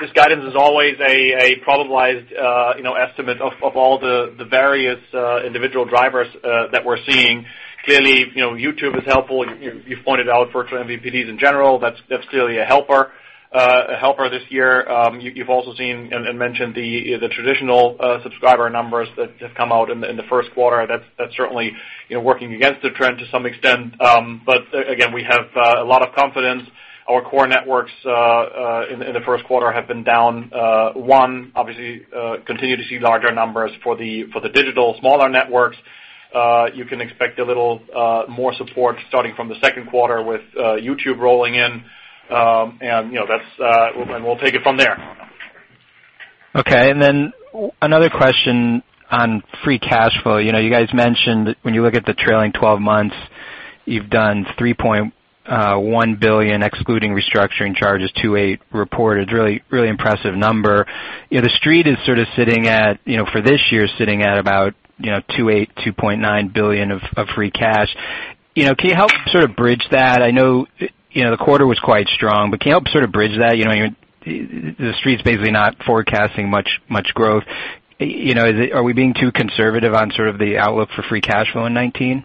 this guidance is always a probabilized estimate of all the various individual drivers that we're seeing. Clearly, YouTube is helpful. You've pointed out virtual MVPDs in general. That's clearly a helper this year. You've also seen and mentioned the traditional subscriber numbers that have come out in the first quarter. That's certainly working against the trend to some extent. Again, we have a lot of confidence. Our core networks in the first quarter have been down one. Obviously, continue to see larger numbers for the digital smaller networks. You can expect a little more support starting from the second quarter with YouTube rolling in. We'll take it from there. Okay. Another question on free cash flow. You guys mentioned when you look at the trailing 12 months, you've done $3.1 billion, excluding restructuring charges, $2.8 reported. Really impressive number. The Street is sort of sitting at, for this year, sitting at about $2.8 billion, $2.9 billion of free cash. Can you help sort of bridge that? I know the quarter was quite strong, but can you help sort of bridge that? The Street's basically not forecasting much growth. Are we being too conservative on sort of the outlook for free cash flow in 2019?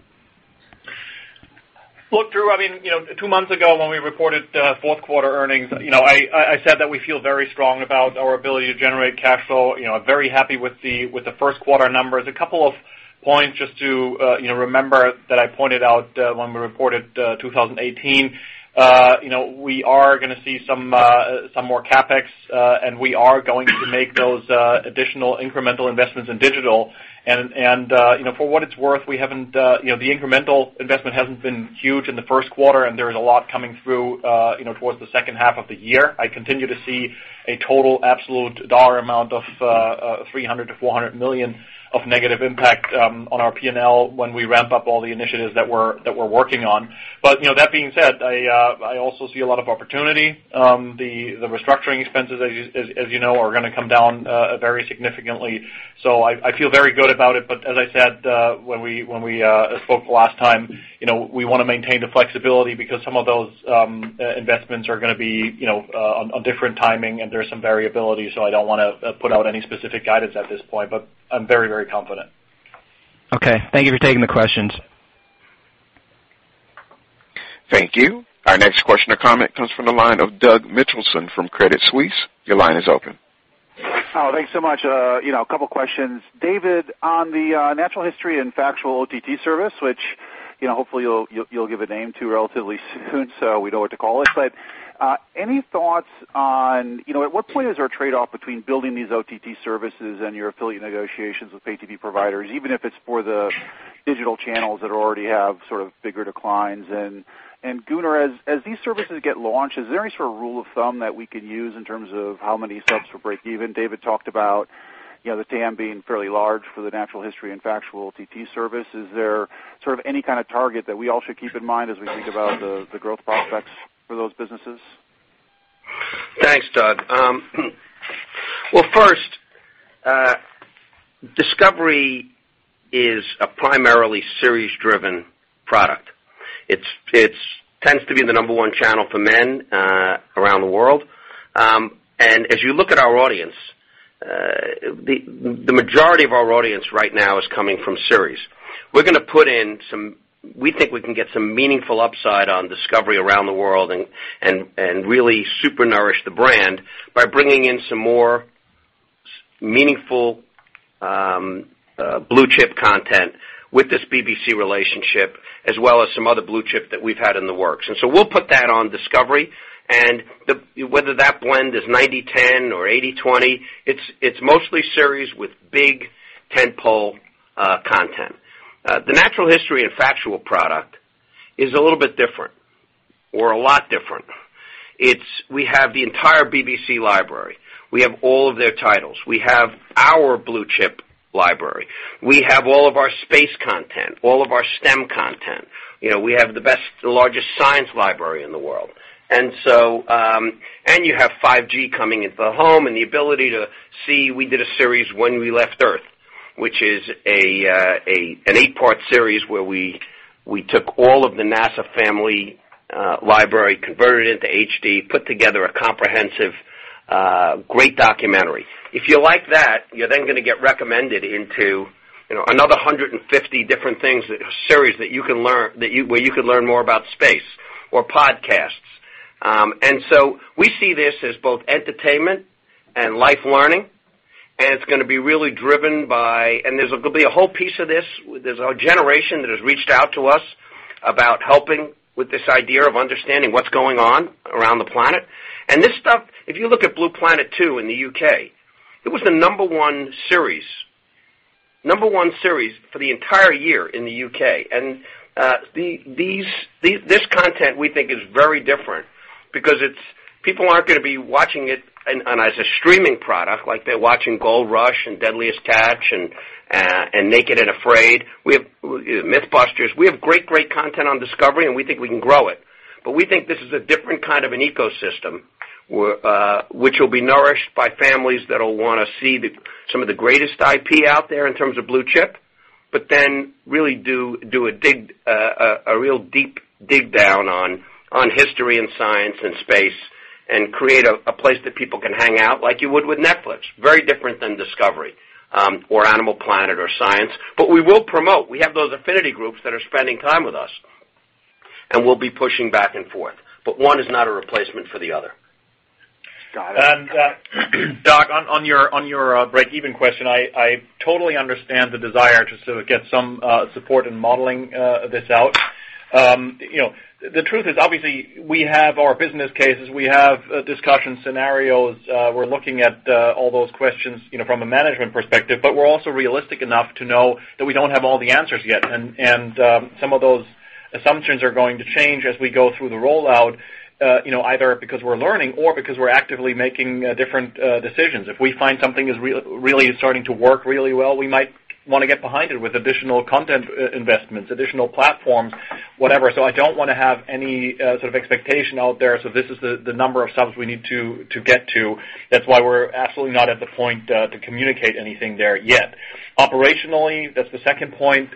Look, Drew, two months ago, when we reported fourth quarter earnings, I said that we feel very strong about our ability to generate cash flow. Very happy with the first quarter numbers. A couple of points just to remember that I pointed out when we reported 2018. We are going to see some more CapEx, and we are going to make those additional incremental investments in digital. For what it's worth, the incremental investment hasn't been huge in the first quarter, and there is a lot coming through towards the second half of the year. I continue to see a total absolute dollar amount of $300 million-$400 million of negative impact on our P&L when we ramp up all the initiatives that we're working on. That being said, I also see a lot of opportunity. The restructuring expenses, as you know, are going to come down very significantly. I feel very good about it. As I said when we spoke last time, we want to maintain the flexibility because some of those investments are going to be on different timing, and there's some variability. I don't want to put out any specific guidance at this point, but I'm very, very confident. Okay. Thank you for taking the questions. Thank you. Our next question or comment comes from the line of Doug Mitchelson from Credit Suisse. Your line is open. Thanks so much. A couple of questions. David, on the natural history and factual OTT service, which hopefully you'll give a name to relatively soon, so we know what to call it. Any thoughts on at what point is our trade-off between building these OTT services and your affiliate negotiations with pay TV providers, even if it's for the digital channels that already have sort of bigger declines? Gunnar, as these services get launched, is there any sort of rule of thumb that we could use in terms of how many subs for break even? David talked about the TAM being fairly large for the natural history and factual OTT service. Is there sort of any kind of target that we all should keep in mind as we think about the growth prospects for those businesses? Thanks, Doug. Well, first, Discovery is a primarily series-driven product. It tends to be the number one channel for men around the world. As you look at our audience, the majority of our audience right now is coming from series. We think we can get some meaningful upside on Discovery around the world and really super nourish the brand by bringing in some more meaningful blue-chip content with this BBC relationship, as well as some other blue chip that we've had in the works. We'll put that on Discovery, and whether that blend is 90/10 or 80/20, it's mostly series with big tentpole content. The natural history and factual product is a little bit different or a lot different. We have the entire BBC library. We have all of their titles. We have our blue-chip library. We have all of our space content, all of our STEM content. We have the largest science library in the world. You have 5G coming into the home and the ability to see we did a series, "When We Left Earth: The NASA Missions," which is an 8-part series where we took all of the NASA family library, converted it into HD, put together a comprehensive great documentary. If you like that, you're then going to get recommended into another 150 different things, series where you can learn more about space or podcasts. We see this as both entertainment and life learning, and it's going to be really driven by. There's going to be a whole piece of this. There's a generation that has reached out to us about helping with this idea of understanding what's going on around the planet. This stuff, if you look at "Blue Planet II" in the U.K., it was the number one series for the entire year in the U.K. This content, we think, is very different because people aren't going to be watching it as a streaming product like they're watching "Gold Rush" and "Deadliest Catch" and "Naked and Afraid," "MythBusters." We have great content on Discovery, and we think we can grow it. We think this is a different kind of an ecosystem, which will be nourished by families that'll want to see some of the greatest IP out there in terms of blue-chip, then really do a real deep dig down on history and science and space and create a place that people can hang out like you would with Netflix. Very different than Discovery, or Animal Planet, or Science Channel. We will promote. We have those affinity groups that are spending time with us, we'll be pushing back and forth. One is not a replacement for the other. Got it. Doug, on your breakeven question, I totally understand the desire to sort of get some support in modeling this out. The truth is, obviously, we have our business cases. We have discussion scenarios. We're looking at all those questions from a management perspective, but we're also realistic enough to know that we don't have all the answers yet. Some of those assumptions are going to change as we go through the rollout, either because we're learning or because we're actively making different decisions. If we find something is really starting to work really well, we might want to get behind it with additional content investments, additional platforms, whatever. I don't want to have any sort of expectation out there, so this is the number of subs we need to get to. That's why we're absolutely not at the point to communicate anything there yet. Operationally, that's the second point.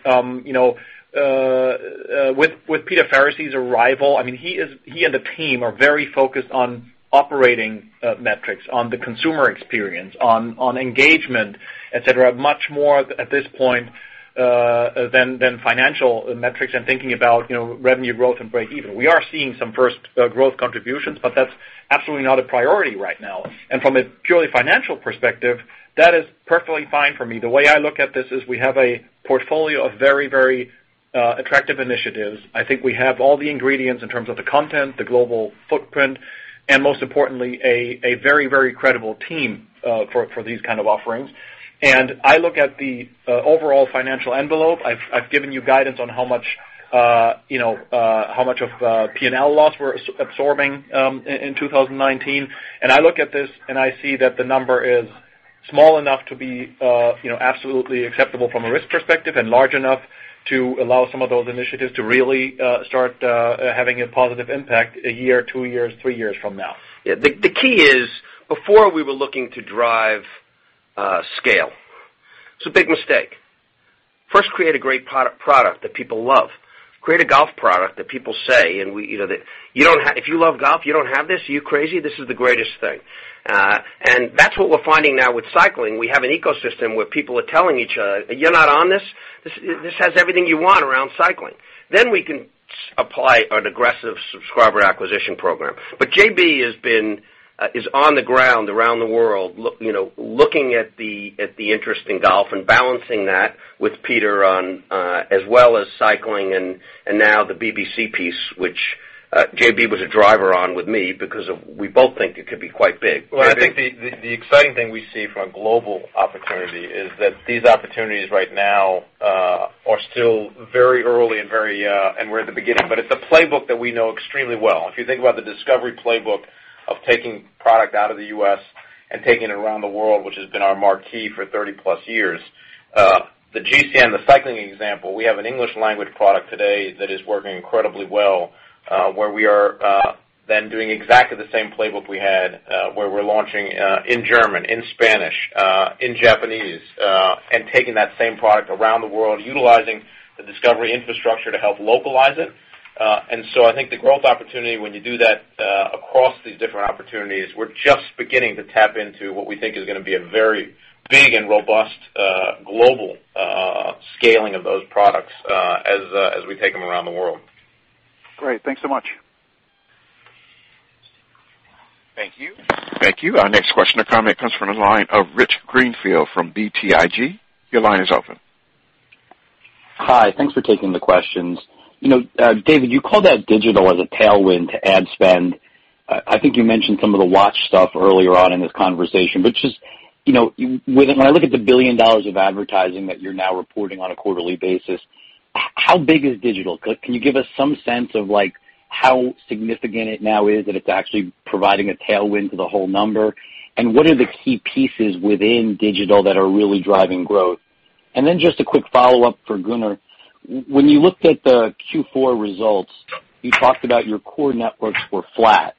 With Peter Faricy's arrival, he and the team are very focused on operating metrics, on the consumer experience, on engagement, et cetera, much more at this point than financial metrics and thinking about revenue growth and breakeven. We are seeing some first growth contributions, that's absolutely not a priority right now. From a purely financial perspective, that is perfectly fine for me. The way I look at this is we have a portfolio of very attractive initiatives. I think we have all the ingredients in terms of the content, the global footprint, and most importantly, a very credible team for these kind of offerings. I look at the overall financial envelope. I've given you guidance on how much of P&L loss we're absorbing in 2019. I look at this, and I see that the number is small enough to be absolutely acceptable from a risk perspective and large enough to allow some of those initiatives to really start having a positive impact a year, two years, three years from now. Yeah. The key is, before we were looking to drive scale. It's a big mistake. First, create a great product that people love. Create a golf product that people say, "If you love golf, you don't have this? Are you crazy? This is the greatest thing." That's what we're finding now with cycling. We have an ecosystem where people are telling each other, "You're not on this? This has everything you want around cycling." We can apply an aggressive subscriber acquisition program. JB is on the ground around the world, looking at the interest in golf and balancing that with Peter as well as cycling and now the BBC piece, which JB was a driver on with me because we both think it could be quite big. JB? I think the exciting thing we see from a global opportunity is that these opportunities right now are still very early and we're at the beginning, but it's a playbook that we know extremely well. If you think about the Discovery playbook of taking product out of the U.S. and taking it around the world, which has been our marquee for 30-plus years. The GCN, the cycling example, we have an English language product today that is working incredibly well, where we are then doing exactly the same playbook we had, where we're launching in German, in Spanish, in Japanese, and taking that same product around the world, utilizing the Discovery infrastructure to help localize it. I think the growth opportunity when you do that across these different opportunities, we're just beginning to tap into what we think is going to be a very big and robust global scaling of those products as we take them around the world. Great. Thanks so much. Thank you. Thank you. Our next question or comment comes from the line of Rich Greenfield from BTIG. Your line is open. Hi. Thanks for taking the questions. David, you called out digital as a tailwind to ad spend. I think you mentioned some of the watch stuff earlier on in this conversation. When I look at the $1 billion of advertising that you're now reporting on a quarterly basis, how big is digital? Can you give us some sense of how significant it now is that it's actually providing a tailwind to the whole number? What are the key pieces within digital that are really driving growth? A quick follow-up for Gunnar. When you looked at the Q4 results, you talked about your core networks were flat.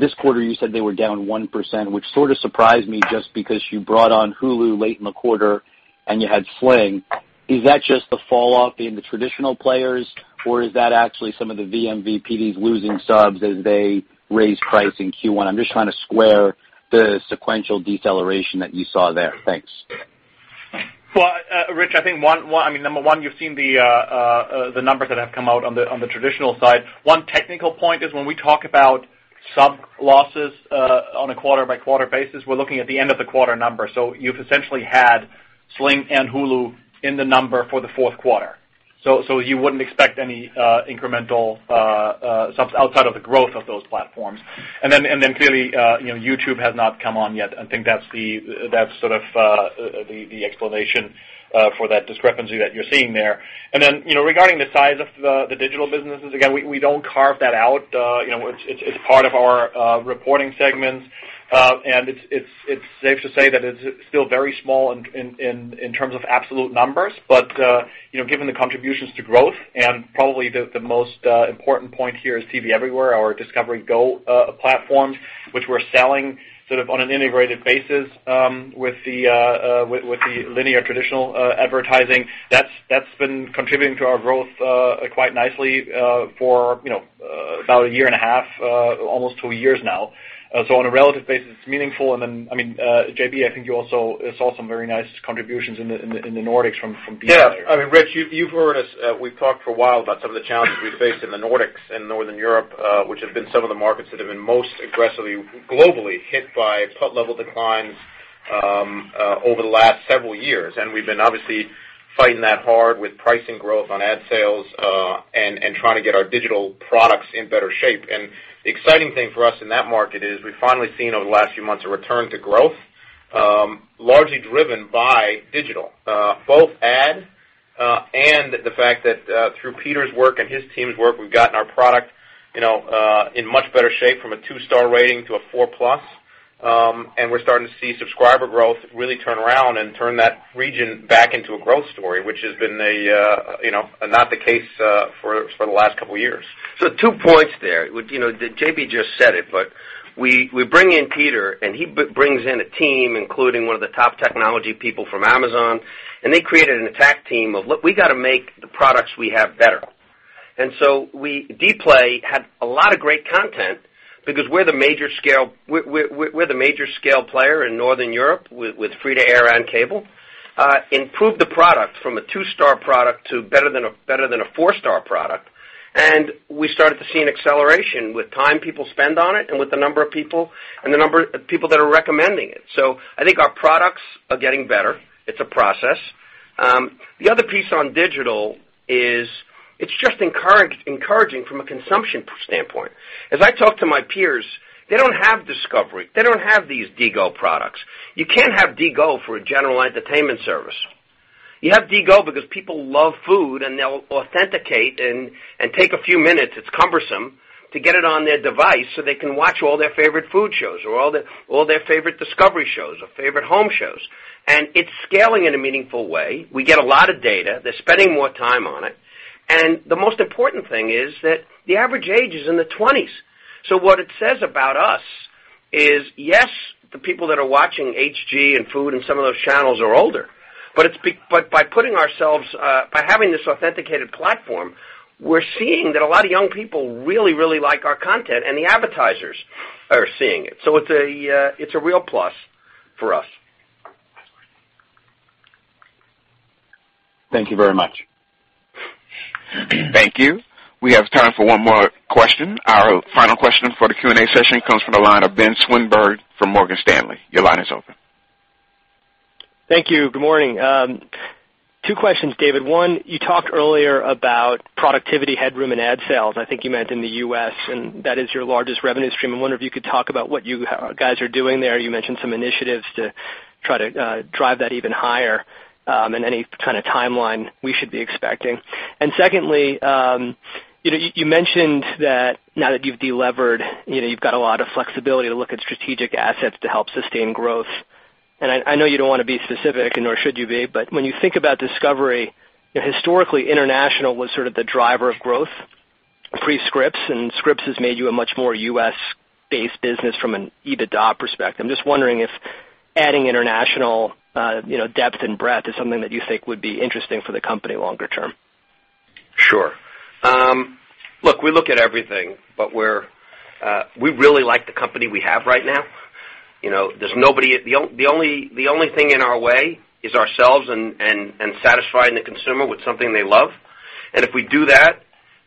This quarter, you said they were down 1%, which sort of surprised me just because you brought on Hulu late in the quarter and you had Sling. Is that just the falloff in the traditional players, or is that actually some of the vMVPDs losing subs as they raise price in Q1? I'm just trying to square the sequential deceleration that you saw there. Thanks. Rich, I think, number one, you've seen the numbers that have come out on the traditional side. One technical point is when we talk about Sub-losses on a quarter-by-quarter basis. We're looking at the end of the quarter number. You've essentially had Sling and Hulu in the number for the fourth quarter. You wouldn't expect any incremental subs outside of the growth of those platforms. Clearly, YouTube has not come on yet. I think that's the explanation for that discrepancy that you're seeing there. Regarding the size of the digital businesses, again, we don't carve that out. It's part of our reporting segments. It's safe to say that it's still very small in terms of absolute numbers. Given the contributions to growth and probably the most important point here is TV Everywhere, our Discovery GO platforms, which we're selling sort of on an integrated basis with the linear, traditional advertising. That's been contributing to our growth quite nicely for about a year and a half, almost two years now. On a relative basis, it's meaningful. JB, I think you also saw some very nice contributions in the Nordics from Dplay. Yeah. Rich, you've heard us, we've talked for a while about some of the challenges we faced in the Nordics and Northern Europe, which have been some of the markets that have been most aggressively globally hit by cut-level declines over the last several years. We've been obviously fighting that hard with pricing growth on ad sales and trying to get our digital products in better shape. The exciting thing for us in that market is we've finally seen over the last few months a return to growth, largely driven by digital, both ad and the fact that through Peter's work and his team's work, we've gotten our product in much better shape from a two-star rating to a four-plus. We're starting to see subscriber growth really turn around and turn that region back into a growth story, which has been not the case for the last couple of years. Two points there. JB just said it, but we bring in Peter, and he brings in a team, including one of the top technology people from Amazon, and they created an attack team of, "Look, we got to make the products we have better." Dplay had a lot of great content because we're the major scale player in Northern Europe with free-to-air and cable. Improved the product from a two-star product to better than a four-star product. We started to see an acceleration with time people spend on it and with the number of people that are recommending it. I think our products are getting better. It's a process. The other piece on digital is it's just encouraging from a consumption standpoint. As I talk to my peers, they don't have Discovery. They don't have these DGo products. You can't have DGo for a general entertainment service. You have DGo because people love food, and they'll authenticate and take a few minutes, it's cumbersome, to get it on their device so they can watch all their favorite Food shows or all their favorite Discovery shows or favorite home shows. It's scaling in a meaningful way. We get a lot of data. They're spending more time on it. The most important thing is that the average age is in the 20s. What it says about us is, yes, the people that are watching HG and Food and some of those channels are older, but by having this authenticated platform, we're seeing that a lot of young people really, really like our content, and the advertisers are seeing it. It's a real plus for us. Thank you very much. Thank you. We have time for one more question. Our final question for the Q&A session comes from the line of Ben Swinburne from Morgan Stanley. Your line is open. Thank you. Good morning. Two questions, David. One, you talked earlier about productivity headroom in ad sales. I think you meant in the U.S., and that is your largest revenue stream. I wonder if you could talk about what you guys are doing there. You mentioned some initiatives to try to drive that even higher and any kind of timeline we should be expecting. Secondly, you mentioned that now that you've delevered, you've got a lot of flexibility to look at strategic assets to help sustain growth. I know you don't want to be specific, nor should you be, but when you think about Discovery, historically, international was sort of the driver of growth pre-Scripps, and Scripps has made you a much more U.S.-based business from an EBITDA perspective. I'm just wondering if adding international depth and breadth is something that you think would be interesting for the company longer term. Sure. Look, we look at everything, but we really like the company we have right now. The only thing in our way is ourselves and satisfying the consumer with something they love. If we do that,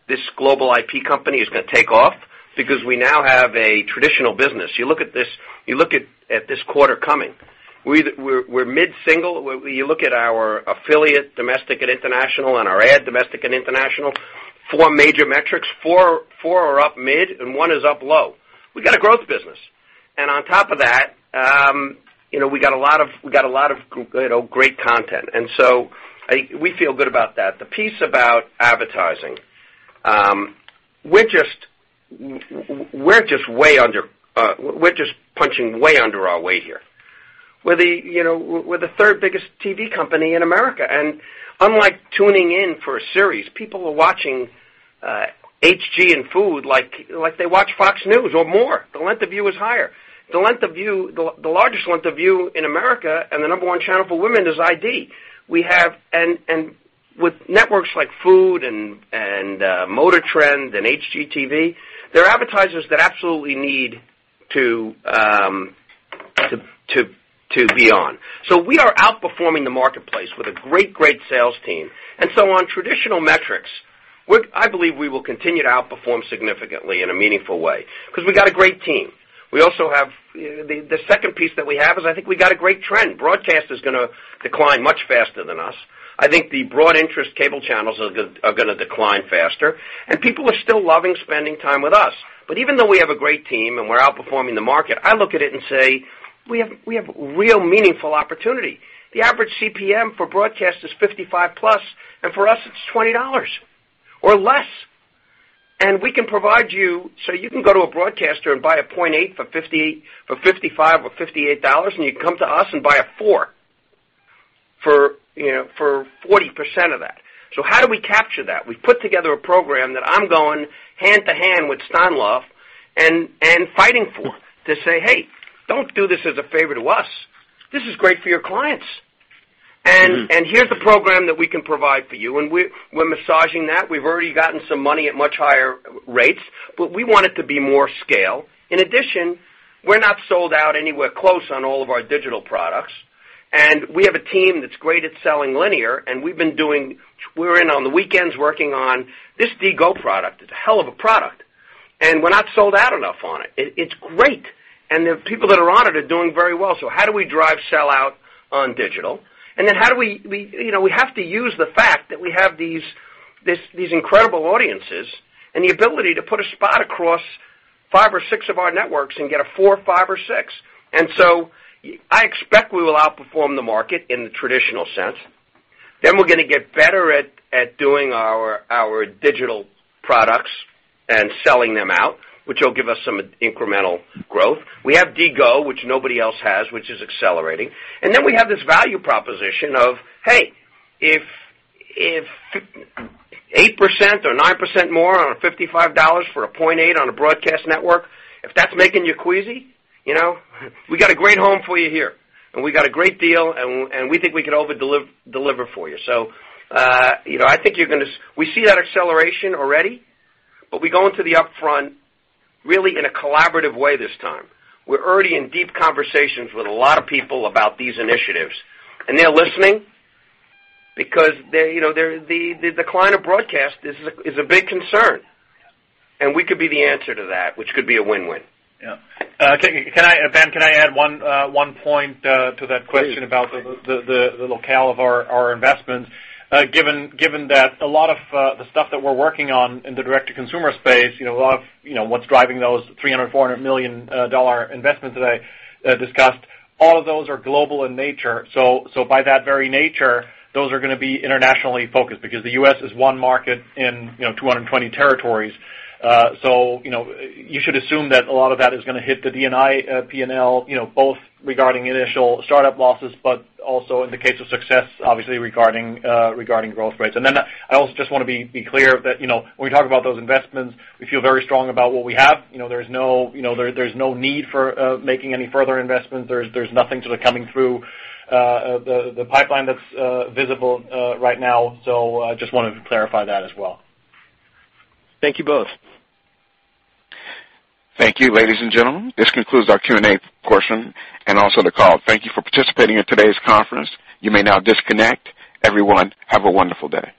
this global IP company is going to take off because we now have a traditional business. You look at this quarter coming. We're mid-single. You look at our affiliate, domestic and international, and our ad, domestic and international, four major metrics. Four are up mid and one is up low. We've got a growth business. On top of that, we got a lot of great content. We feel good about that. The piece about advertising. We're just punching way under our weight here. We're the third biggest TV company in America. Unlike tuning in for a series, people are watching HG and Food like they watch Fox News or more. The length of view is higher. The largest length of view in America and the number one channel for women is ID. With networks like Food and MotorTrend and HGTV, they're advertisers that absolutely need to be on. We are outperforming the marketplace with a great sales team. On traditional metrics, I believe we will continue to outperform significantly in a meaningful way because we got a great team. The second piece that we have is, I think we got a great trend. Broadcast is going to decline much faster than us. I think the broad interest cable channels are going to decline faster, and people are still loving spending time with us. Even though we have a great team and we're outperforming the market, I look at it and say, "We have real meaningful opportunity." The average CPM for broadcast is $55 plus, and for us it's $20 or less. You can go to a broadcaster and buy a 0.8 for $55 or $58, and you can come to us and buy a four for 40% of that. How do we capture that? We've put together a program that I'm going hand to hand with Stan Lode and fighting for to say, "Hey, don't do this as a favor to us. This is great for your clients. Here's a program that we can provide for you." We're massaging that. We've already gotten some money at much higher rates, but we want it to be more scale. In addition, we're not sold out anywhere close on all of our digital products. We have a team that's great at selling linear. We're in on the weekends working on this DGO product. It's a hell of a product. We're not sold out enough on it. It's great. The people that are on it are doing very well. How do we drive sellout on digital? We have to use the fact that we have these incredible audiences and the ability to put a spot across five or six of our networks and get a four, five, or six. I expect we will outperform the market in the traditional sense. We're going to get better at doing our digital products and selling them out, which will give us some incremental growth. We have DGO, which nobody else has, which is accelerating. We have this value proposition of, hey, if 8% or 9% more on a $55 for a 0.8 on a broadcast network, if that's making you queasy, we got a great home for you here, and we got a great deal, and we think we could over-deliver for you. We see that acceleration already, we go into the upfront really in a collaborative way this time. We're already in deep conversations with a lot of people about these initiatives, and they're listening because the decline of broadcast is a big concern, and we could be the answer to that, which could be a win-win. Ben, can I add one point to that question about the locale of our investment? Given that a lot of the stuff that we're working on in the direct-to-consumer space, a lot of what's driving those $300, $400 million investments that I discussed, all of those are global in nature. By that very nature, those are going to be internationally focused because the U.S. is one market in 220 territories. You should assume that a lot of that is going to hit the DNI P&L, both regarding initial startup losses, but also in the case of success, obviously, regarding growth rates. I also just want to be clear that when we talk about those investments, we feel very strong about what we have. There's no need for making any further investments. There's nothing sort of coming through the pipeline that's visible right now. Just wanted to clarify that as well. Thank you both. Thank you, ladies and gentlemen. This concludes our Q&A portion and also the call. Thank you for participating in today's conference. You may now disconnect. Everyone, have a wonderful day.